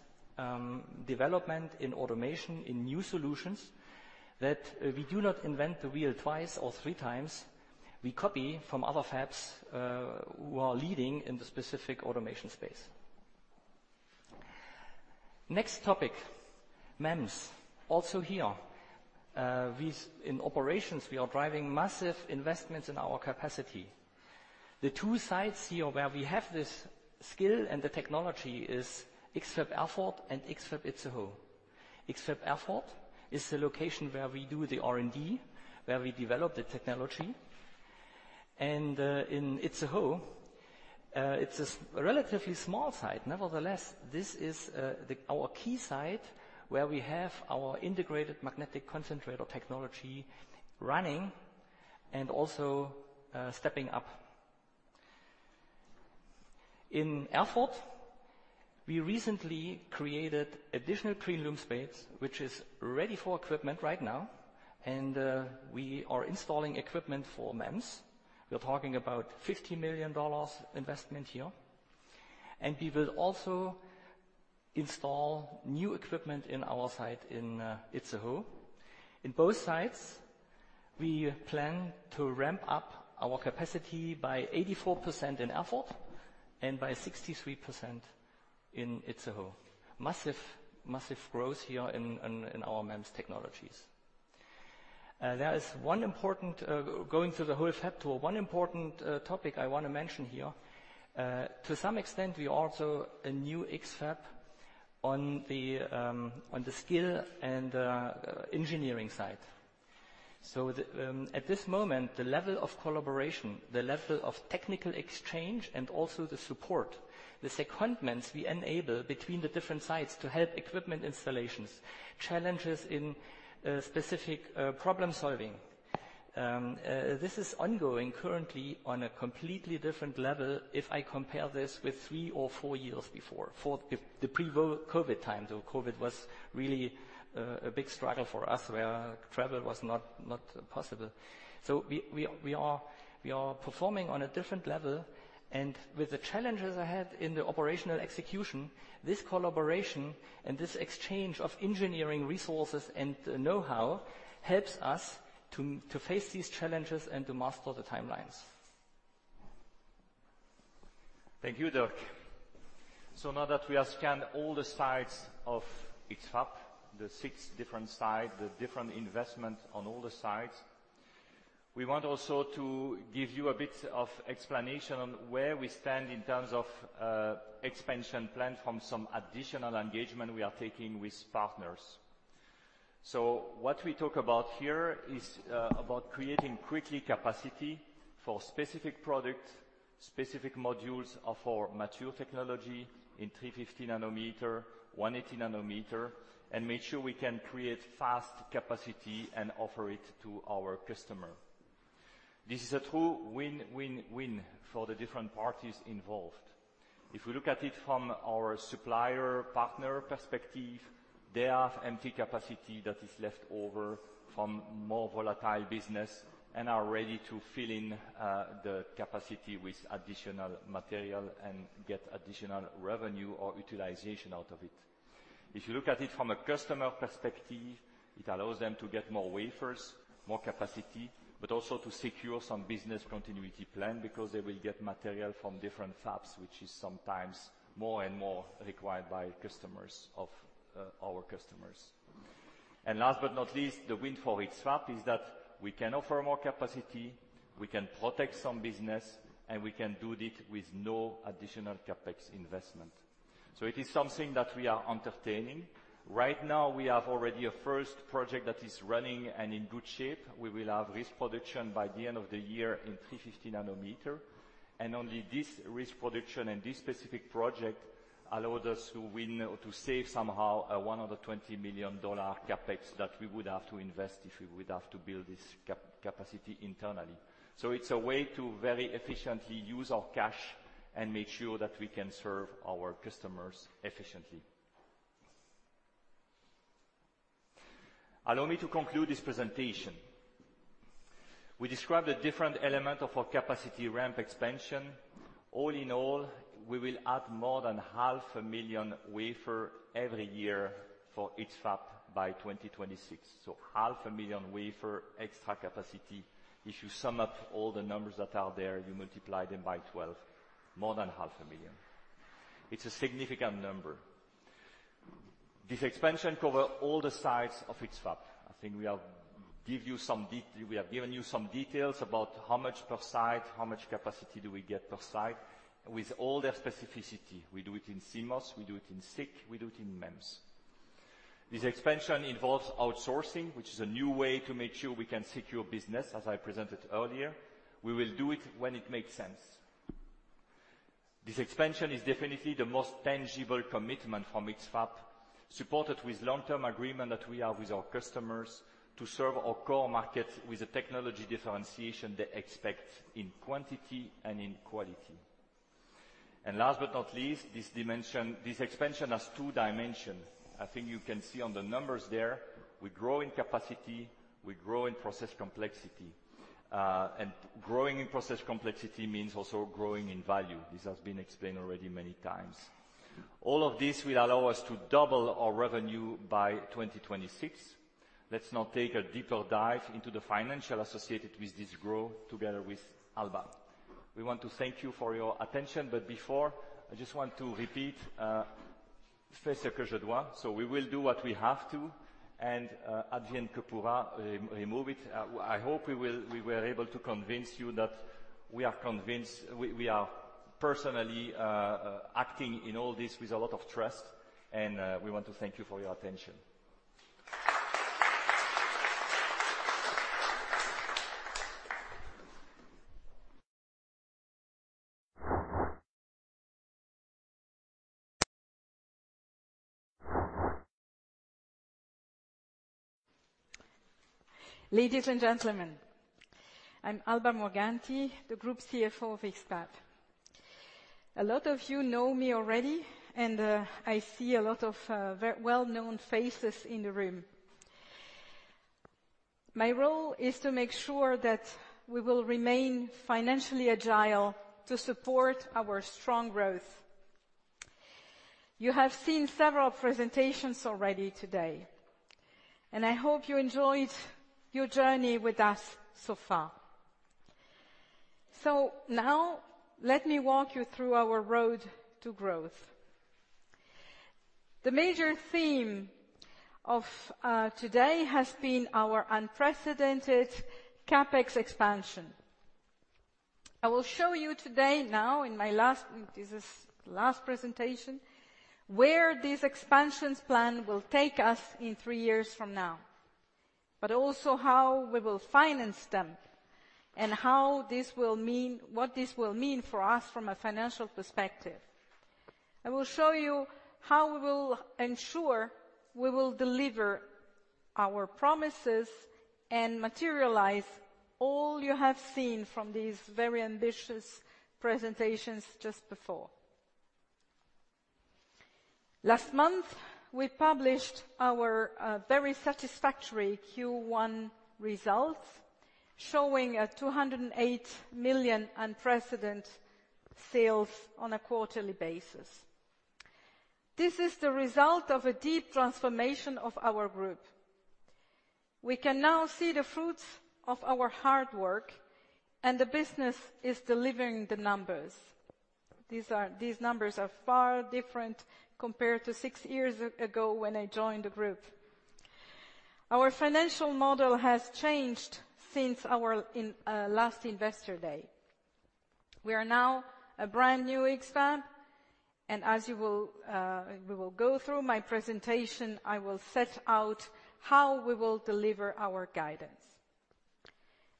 development in automation, in new solutions, that we do not invent the wheel twice or three times. We copy from other fabs who are leading in the specific automation space. Next topic, MEMS. Also here, in operations, we are driving massive investments in our capacity. The two sites here where we have this skill and the technology is X-FAB Erfurt and X-FAB Itzehoe. X-FAB Erfurt is the location where we do the R&D, where we develop the technology. In Itzehoe, it's a relatively small site. Nevertheless, this is our key site where we have our integrated magnetic concentrator technology running and also stepping up. In Erfurt, we recently created additional cleanroom space, which is ready for equipment right now, and we are installing equipment for MEMS. We are talking about $50 million investment here, and we will also install new equipment in our site in Itzehoe. In both sites, we plan to ramp up our capacity by 84% in Erfurt and by 63% in Itzehoe. Massive, massive growth here in our MEMS technologies. There is one important. Going through the whole fab tour, one important topic I want to mention here, to some extent, we are also a new X-FAB on the skill and engineering side. At this moment, the level of collaboration, the level of technical exchange, and also the support, the secondments we enable between the different sites to help equipment installations, challenges in specific problem-solving, this is ongoing currently on a completely different level if I compare this with 3 or 4 years before, for the pre-COVID times, though COVID was really a big struggle for us, where travel was not possible. We are performing on a different level, and with the challenges I had in the operational execution, this collaboration and this exchange of engineering resources and know-how, helps us to face these challenges and to master the timelines.... Thank you, Dirk. So now that we have scanned all the sides of X-FAB, the 6 different sides, the different investment on all the sides, we want also to give you a bit of explanation on where we stand in terms of expansion plan from some additional engagement we are taking with partners. What we talk about here is about creating quickly capacity for specific products, specific modules of our mature technology in 350 nanometer, 180 nanometer, and make sure we can create fast capacity and offer it to our customer. This is a true win-win-win for the different parties involved. If we look at it from our supplier, partner perspective, they have empty capacity that is left over from more volatile business, and are ready to fill in the capacity with additional material and get additional revenue or utilization out of it. If you look at it from a customer perspective, it allows them to get more wafers, more capacity, but also to secure some business continuity plan because they will get material from different fabs, which is sometimes more and more required by customers of our customers. Last but not least, the win for X-FAB is that we can offer more capacity, we can protect some business, and we can do it with no additional CapEx investment. It is something that we are entertaining. Right now, we have already a first project that is running and in good shape. We will have risk production by the end of the year in 350 nanometer. Only this risk production and this specific project allowed us to win or to save somehow, $120 million CapEx that we would have to invest if we would have to build this capacity internally. It's a way to very efficiently use our cash and make sure that we can serve our customers efficiently. Allow me to conclude this presentation. We described the different element of our capacity ramp expansion. All in all, we will add more than half a million wafer every year for each fab by 2026. Half a million wafer, extra capacity. If you sum up all the numbers that are there, you multiply them by 12, more than half a million. It's a significant number. This expansion cover all the sides of X-FAB. I think we have give you some we have given you some details about how much per side, how much capacity do we get per side, with all their specificity. We do it in CMOS, we do it in SiC, we do it in MEMS. This expansion involves outsourcing, which is a new way to make sure we can secure business, as I presented earlier. We will do it when it makes sense. This expansion is definitely the most tangible commitment from X-FAB, supported with long-term agreement that we have with our customers, to serve our core markets with the technology differentiation they expect in quantity and in quality. Last but not least, this dimension, this expansion has two dimension. I think you can see on the numbers there, we grow in capacity, we grow in process complexity. Growing in process complexity means also growing in value. This has been explained already many times. All of this will allow us to double our revenue by 2026. Let's now take a deeper dive into the financial associated with this growth together with Alba. We want to thank you for your attention, before, I just want to repeat, "...", we will do what we have to, "...", remove it. I hope we were able to convince you that we are convinced, we are personally acting in all this with a lot of trust, we want to thank you for your attention. Ladies and gentlemen, I'm Alba Morganti, the Group CFO of X-FAB. A lot of you know me already, and I see a lot of well-known faces in the room. My role is to make sure that we will remain financially agile to support our strong growth. You have seen several presentations already today. I hope you enjoyed your journey with us so far. Now, let me walk you through our road to growth. The major theme of today has been our unprecedented CapEx expansion. I will show you today, now, in my last presentation, where this expansions plan will take us in three years from now, but also how we will finance them, and what this will mean for us from a financial perspective. I will show you how we will ensure we will deliver our promises and materialize all you have seen from these very ambitious presentations just before. Last month, we published our very satisfactory Q1 results, showing 208 million unprecedented sales on a quarterly basis. This is the result of a deep transformation of our group. We can now see the fruits of our hard work, and the business is delivering the numbers. These numbers are far different compared to 6 years ago when I joined the group. Our financial model has changed since our last Investor Day. We are now a brand new X-FAB, and as we will go through my presentation, I will set out how we will deliver our guidance.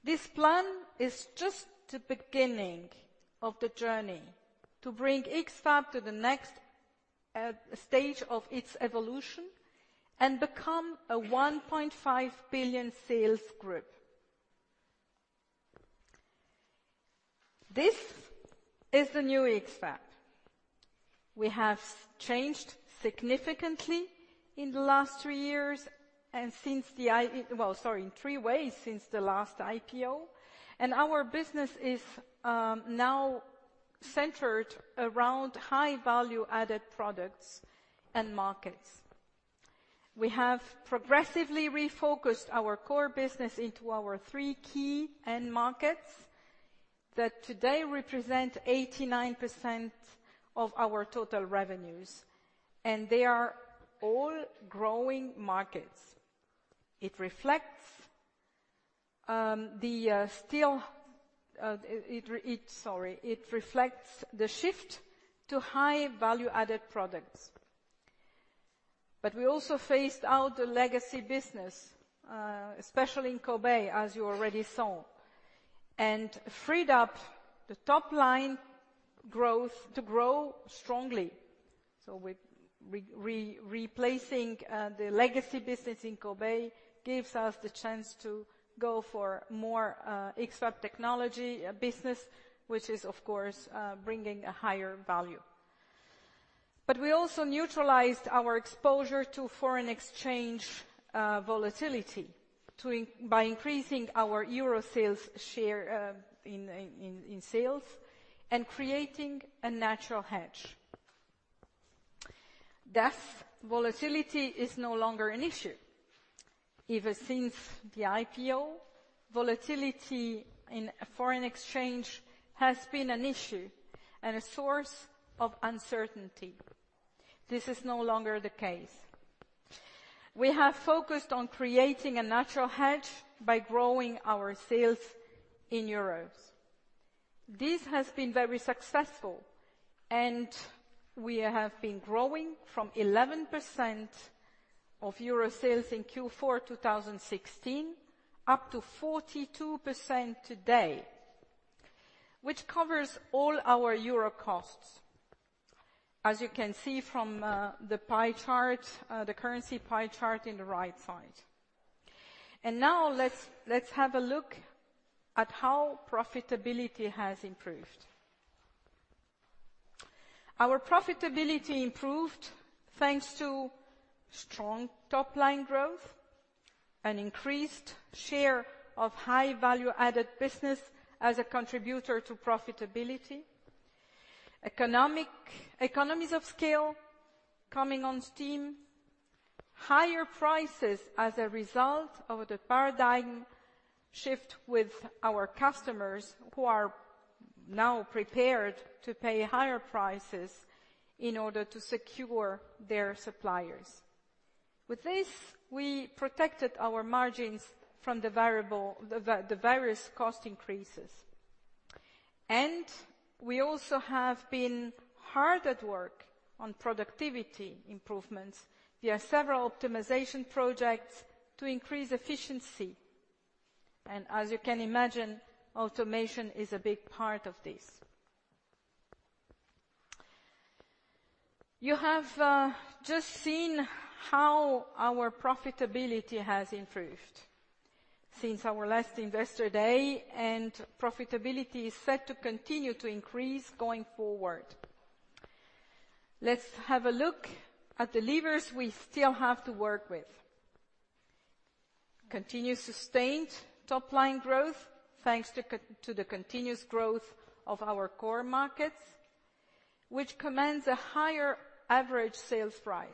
This plan is just the beginning of the journey to bring X-FAB to the next stage of its evolution and become a $1.5 billion sales group. This is the new X-FAB. We have changed significantly in the last three years, in three ways since the last IPO, and our business is now centered around high-value-added products and markets. We have progressively refocused our core business into our three key end markets, that today represent 89% of our total revenues, and they are all growing markets. It reflects the shift to high-value-added products. We also phased out the legacy business, especially in Corbeil, as you already saw, and freed up the top line growth to grow strongly. With replacing the legacy business in Corbeil gives us the chance to go for more X-FAB technology business, which is, of course, bringing a higher value. We also neutralized our exposure to foreign exchange volatility by increasing our euro sales share in sales, and creating a natural hedge. Thus, volatility is no longer an issue. Ever since the IPO, volatility in foreign exchange has been an issue and a source of uncertainty. This is no longer the case. We have focused on creating a natural hedge by growing our sales in euros. This has been very successful, and we have been growing from 11% of EUR sales in Q4 2016, up to 42% today, which covers all our EUR costs, as you can see from the pie chart, the currency pie chart in the right side. Now let's have a look at how profitability has improved. Our profitability improved thanks to strong top line growth, an increased share of high-value-added business as a contributor to profitability, economies of scale coming on stream, higher prices as a result of the paradigm shift with our customers, who are now prepared to pay higher prices in order to secure their suppliers. With this, we protected our margins from the various cost increases. We also have been hard at work on productivity improvements. We have several optimization projects to increase efficiency, and as you can imagine, automation is a big part of this. You have just seen how our profitability has improved since our last Investor Day, and profitability is set to continue to increase going forward. Let's have a look at the levers we still have to work with. Continued sustained top line growth, thanks to the continuous growth of our core markets, which commands a higher average sales price.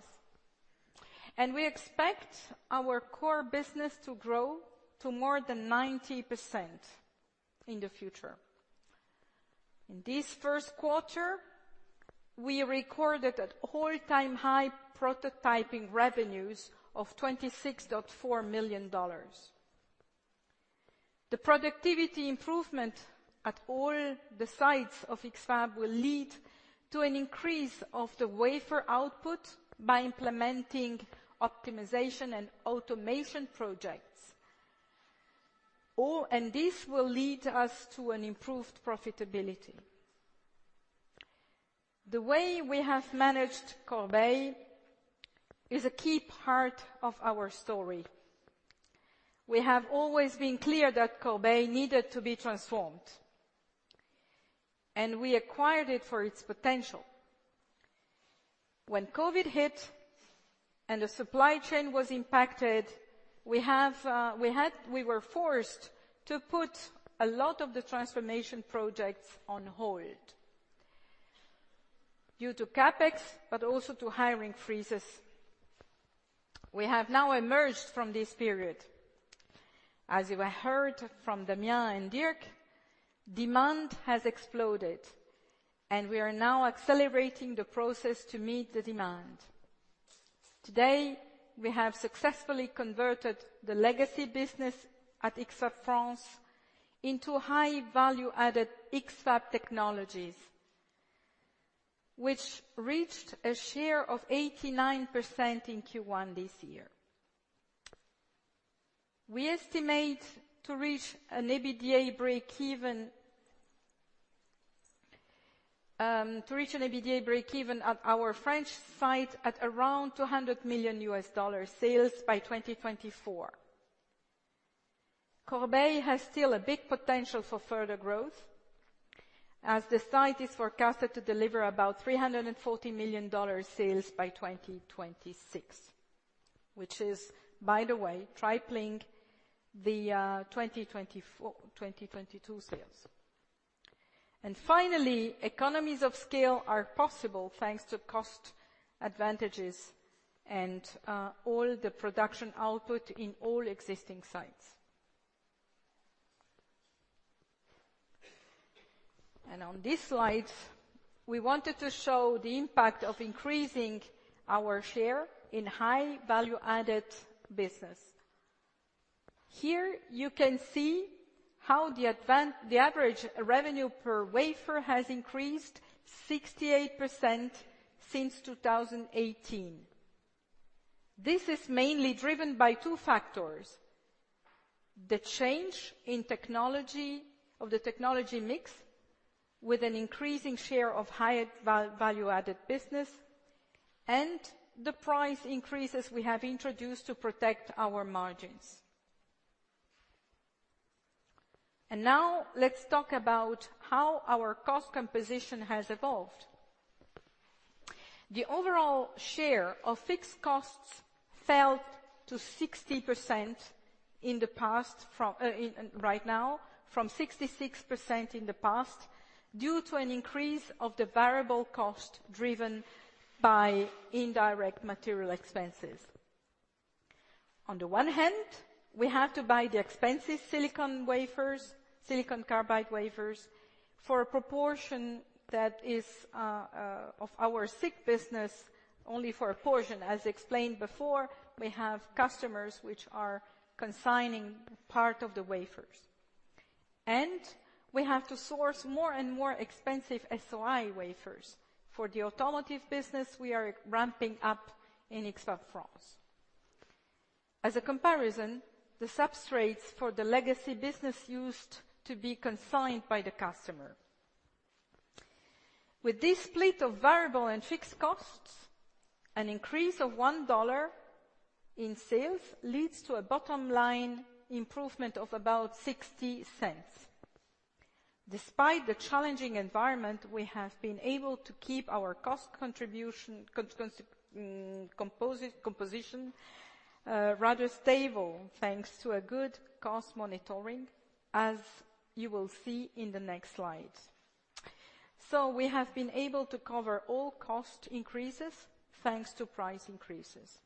We expect our core business to grow to more than 90% in the future. In this first quarter, we recorded an all-time high prototyping revenues of $26.4 million. The productivity improvement at all the sites of X-FAB will lead to an increase of the wafer output by implementing optimization and automation projects. This will lead us to an improved profitability. The way we have managed Corbeil is a key part of our story. We have always been clear that Corbeil needed to be transformed, and we acquired it for its potential. When COVID hit and the supply chain was impacted, we were forced to put a lot of the transformation projects on hold due to CapEx, but also to hiring freezes. We have now emerged from this period. As you have heard from Damien and Dirk, demand has exploded, and we are now accelerating the process to meet the demand. Today, we have successfully converted the legacy business at X-FAB France into high value-added X-FAB technologies, which reached a share of 89% in Q1 this year. We estimate to reach an EBITDA breakeven at our French site at around $200 million sales by 2024. Corbeil has still a big potential for further growth, as the site is forecasted to deliver about $340 million sales by 2026, which is, by the way, tripling the 2022 sales. Finally, economies of scale are possible, thanks to cost advantages and all the production output in all existing sites. On this slide, we wanted to show the impact of increasing our share in high value-added business. Here, you can see how the average revenue per wafer has increased 68% since 2018. This is mainly driven by two factors: the change in technology, of the technology mix, with an increasing share of higher value-added business, and the price increases we have introduced to protect our margins. Now let's talk about how our cost composition has evolved. The overall share of fixed costs fell to 60% in the past from, in, right now, from 66% in the past, due to an increase of the variable cost, driven by indirect material expenses. On the one hand, we have to buy the expensive silicon wafers, silicon carbide wafers, for a proportion that is of our SiC business, only for a portion. As explained before, we have customers which are consigning part of the wafers. We have to source more and more expensive SOI wafers for the automotive business we are ramping up in X-FAB France. As a comparison, the substrates for the legacy business used to be consigned by the customer. With this split of variable and fixed costs, an increase of $1 in sales leads to a bottom-line improvement of about $0.60. Despite the challenging environment, we have been able to keep our cost composition rather stable, thanks to a good cost monitoring, as you will see in the next slide. We have been able to cover all cost increases thanks to price increases.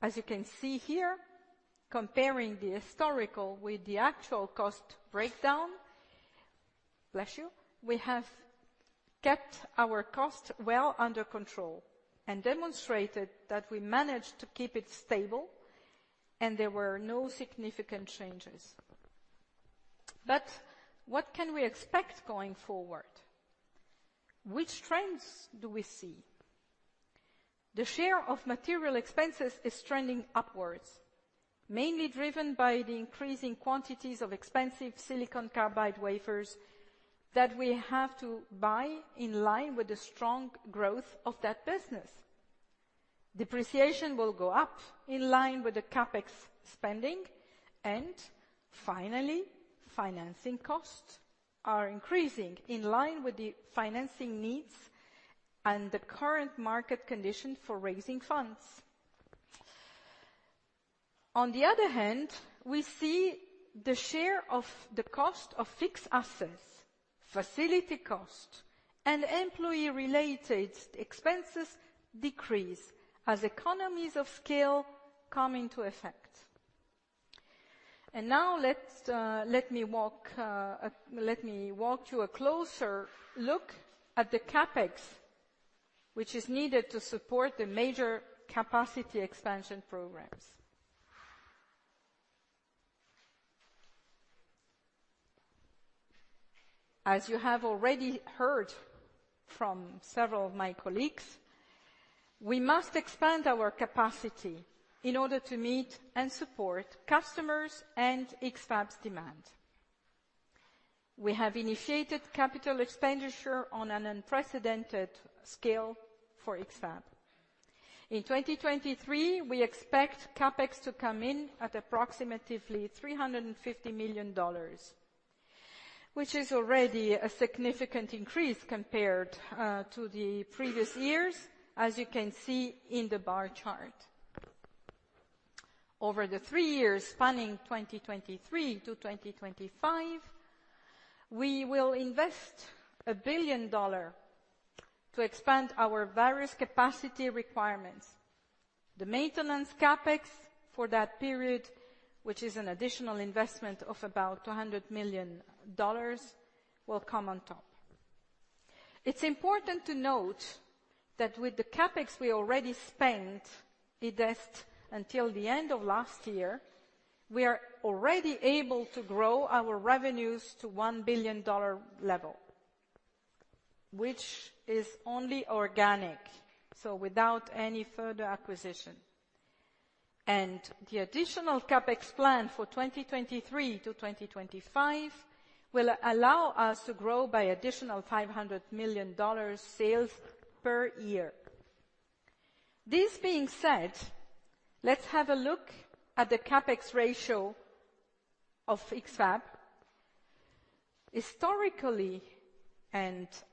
As you can see here, comparing the historical with the actual cost breakdown, bless you, we have kept our costs well under control and demonstrated that we managed to keep it stable, and there were no significant changes. What can we expect going forward? Which trends do we see? The share of material expenses is trending upwards, mainly driven by the increasing quantities of expensive silicon carbide wafers that we have to buy in line with the strong growth of that business. Depreciation will go up in line with the CapEx spending, finally, financing costs are increasing in line with the financing needs and the current market condition for raising funds. On the other hand, we see the share of the cost of fixed assets, facility cost, and employee-related expenses decrease as economies of scale come into effect. Now let's let me walk you a closer look at the CapEx, which is needed to support the major capacity expansion programs. As you have already heard from several of my colleagues, we must expand our capacity in order to meet and support customers' and X-FAB's demand. We have initiated capital expenditure on an unprecedented scale for X-FAB. In 2023, we expect CapEx to come in at approximately $350 million. which is already a significant increase compared to the previous years, as you can see in the bar chart. Over the three years spanning 2023 to 2025, we will invest $1 billion to expand our various capacity requirements. The maintenance CapEx for that period, which is an additional investment of about $200 million, will come on top. It's important to note that with the CapEx we already spent, invest until the end of last year, we are already able to grow our revenues to $1 billion level, which is only organic, so without any further acquisition. The additional CapEx plan for 2023 to 2025 will allow us to grow by additional $500 million sales per year. This being said, let's have a look at the CapEx ratio of X-FAB. Historically,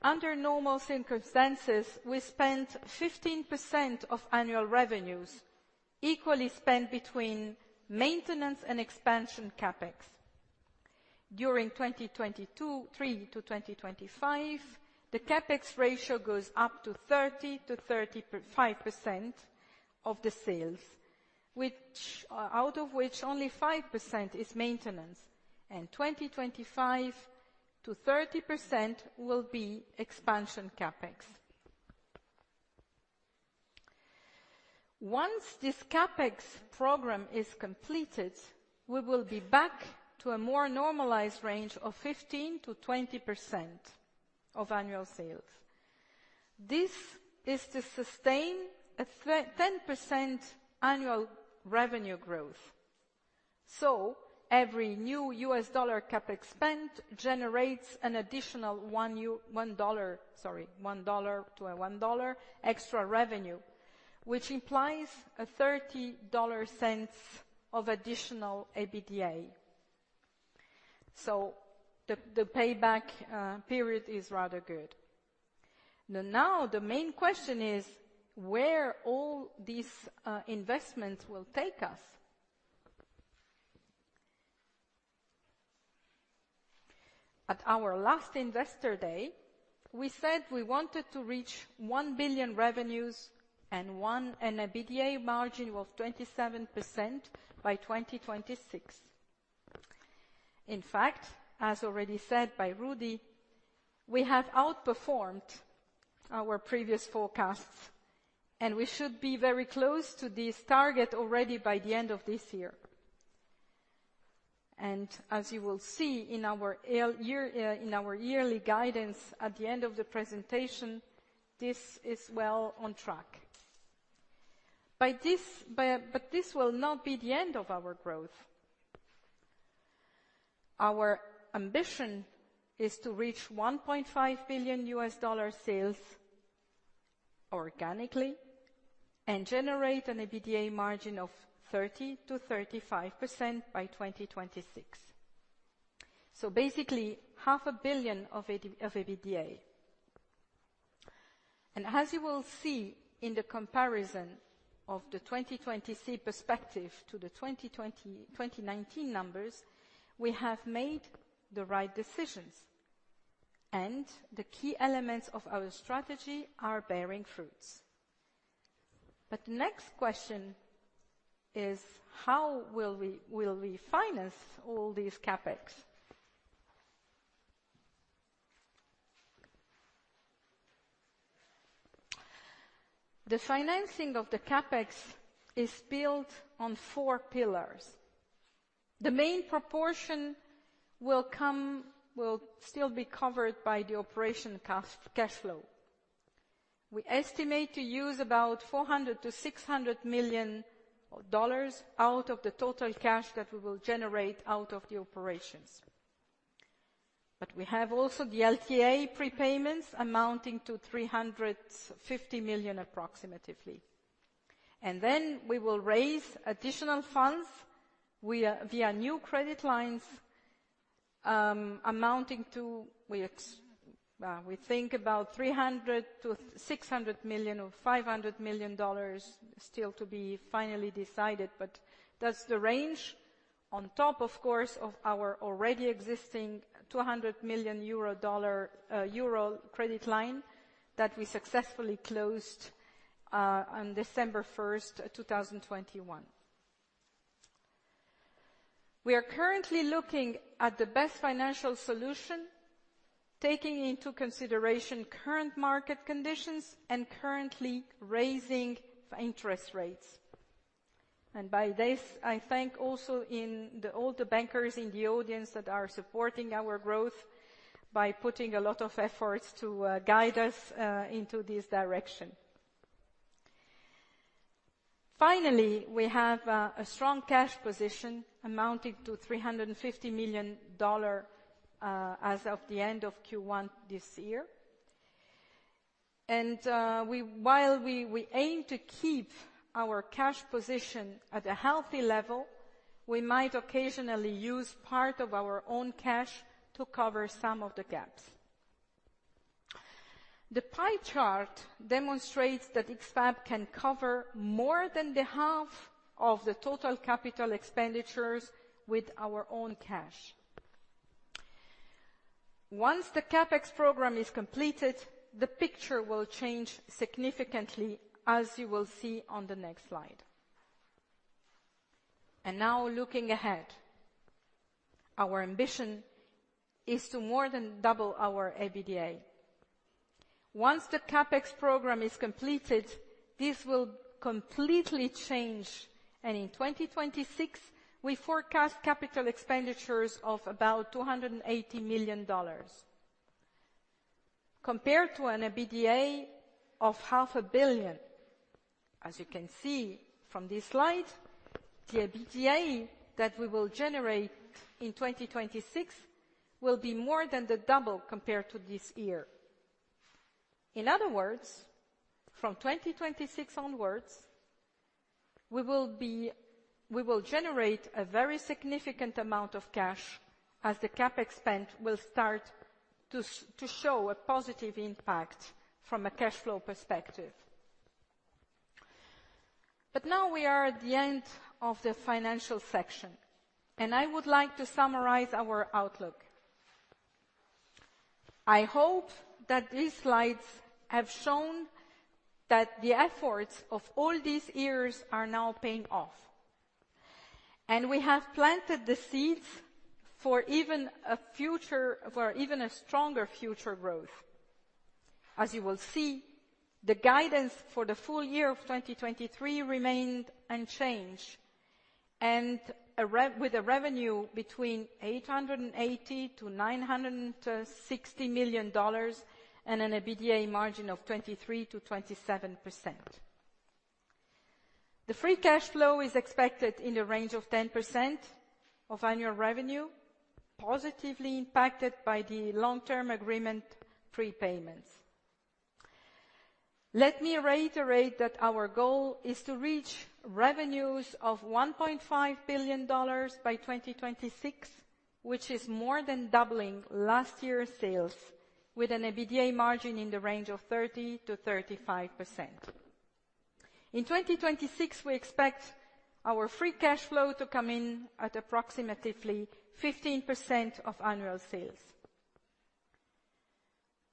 under normal circumstances, we spent 15% of annual revenues equally spent between maintenance and expansion CapEx. During 2022-2023 to 2025, the CapEx ratio goes up to 30%-35% of the sales, which, out of which only 5% is maintenance, and 25%-30% will be expansion CapEx. Once this CapEx program is completed, we will be back to a more normalized range of 15%-20% of annual sales. This is to sustain a 10% annual revenue growth. Every new US dollar CapEx spend generates an additional $1 to a $1 extra revenue, which implies $0.30 of additional EBITDA. The payback period is rather good. The main question is, where all these investments will take us? At our last Investor Day, we said we wanted to reach $1 billion revenues and an EBITDA margin of 27% by 2026. In fact, as already said by Rudy, we have outperformed our previous forecasts, and we should be very close to this target already by the end of this year. As you will see in our yearly guidance at the end of the presentation, this is well on track. By this will not be the end of our growth. Our ambition is to reach $1.5 billion sales organically, and generate an EBITDA margin of 30%-35% by 2026. Basically, half a billion of EBITDA. As you will see in the comparison of the 2023 perspective to the 2019 numbers, we have made the right decisions, and the key elements of our strategy are bearing fruits. Next question is: How will we finance all these CapEx? The financing of the CapEx is built on four pillars. The main proportion will still be covered by the operation cash flow. We estimate to use about $400 million-$600 million out of the total cash that we will generate out of the operations. We have also the LTA prepayments amounting to $350 million, approximately. We will raise additional funds via new credit lines, amounting to we think about $300 million-$600 million or $500 million, still to be finally decided, but that's the range. On top, of course, of our already existing EUR 200 million credit line that we successfully closed on December 1, 2021. We are currently looking at the best financial solution, taking into consideration current market conditions and currently raising interest rates. By this, I thank also all the bankers in the audience that are supporting our growth by putting a lot of efforts to guide us into this direction. Finally, we have a strong cash position amounting to $350 million as of the end of Q1 this year. While we aim to keep our cash position at a healthy level, we might occasionally use part of our own cash to cover some of the gaps. The pie chart demonstrates that X-FAB can cover more than the half of the total capital expenditures with our own cash. Once the CapEx program is completed, the picture will change significantly, as you will see on the next slide. Looking ahead, our ambition is to more than double our EBITDA. Once the CapEx program is completed, this will completely change, and in 2026, we forecast capital expenditures of about $280 million. Compared to an EBITDA of half a billion, as you can see from this slide, the EBITDA that we will generate in 2026 will be more than the double compared to this year. In other words, from 2026 onwards, we will generate a very significant amount of cash as the CapEx spend will start to show a positive impact from a cash flow perspective. Now we are at the end of the financial section, and I would like to summarize our outlook. I hope that these slides have shown that the efforts of all these years are now paying off, and we have planted the seeds for even a stronger future growth. As you will see, the guidance for the full year of 2023 remained unchanged, with a revenue between $880 million and $960 million and an EBITDA margin of 23%-27%. The free cash flow is expected in the range of 10% of annual revenue, positively impacted by the long-term agreement prepayments. Let me reiterate that our goal is to reach revenues of $1.5 billion by 2026, which is more than doubling last year's sales with an EBITDA margin in the range of 30%-35%. In 2026, we expect our free cash flow to come in at approximately 15% of annual sales.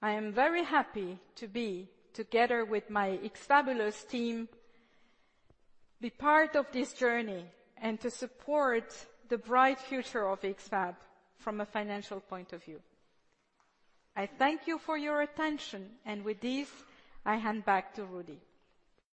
I am very happy to be, together with my ixfabulous team, be part of this journey and to support the bright future of X-FAB from a financial point of view. I thank you for your attention. With this, I hand back to Rudy.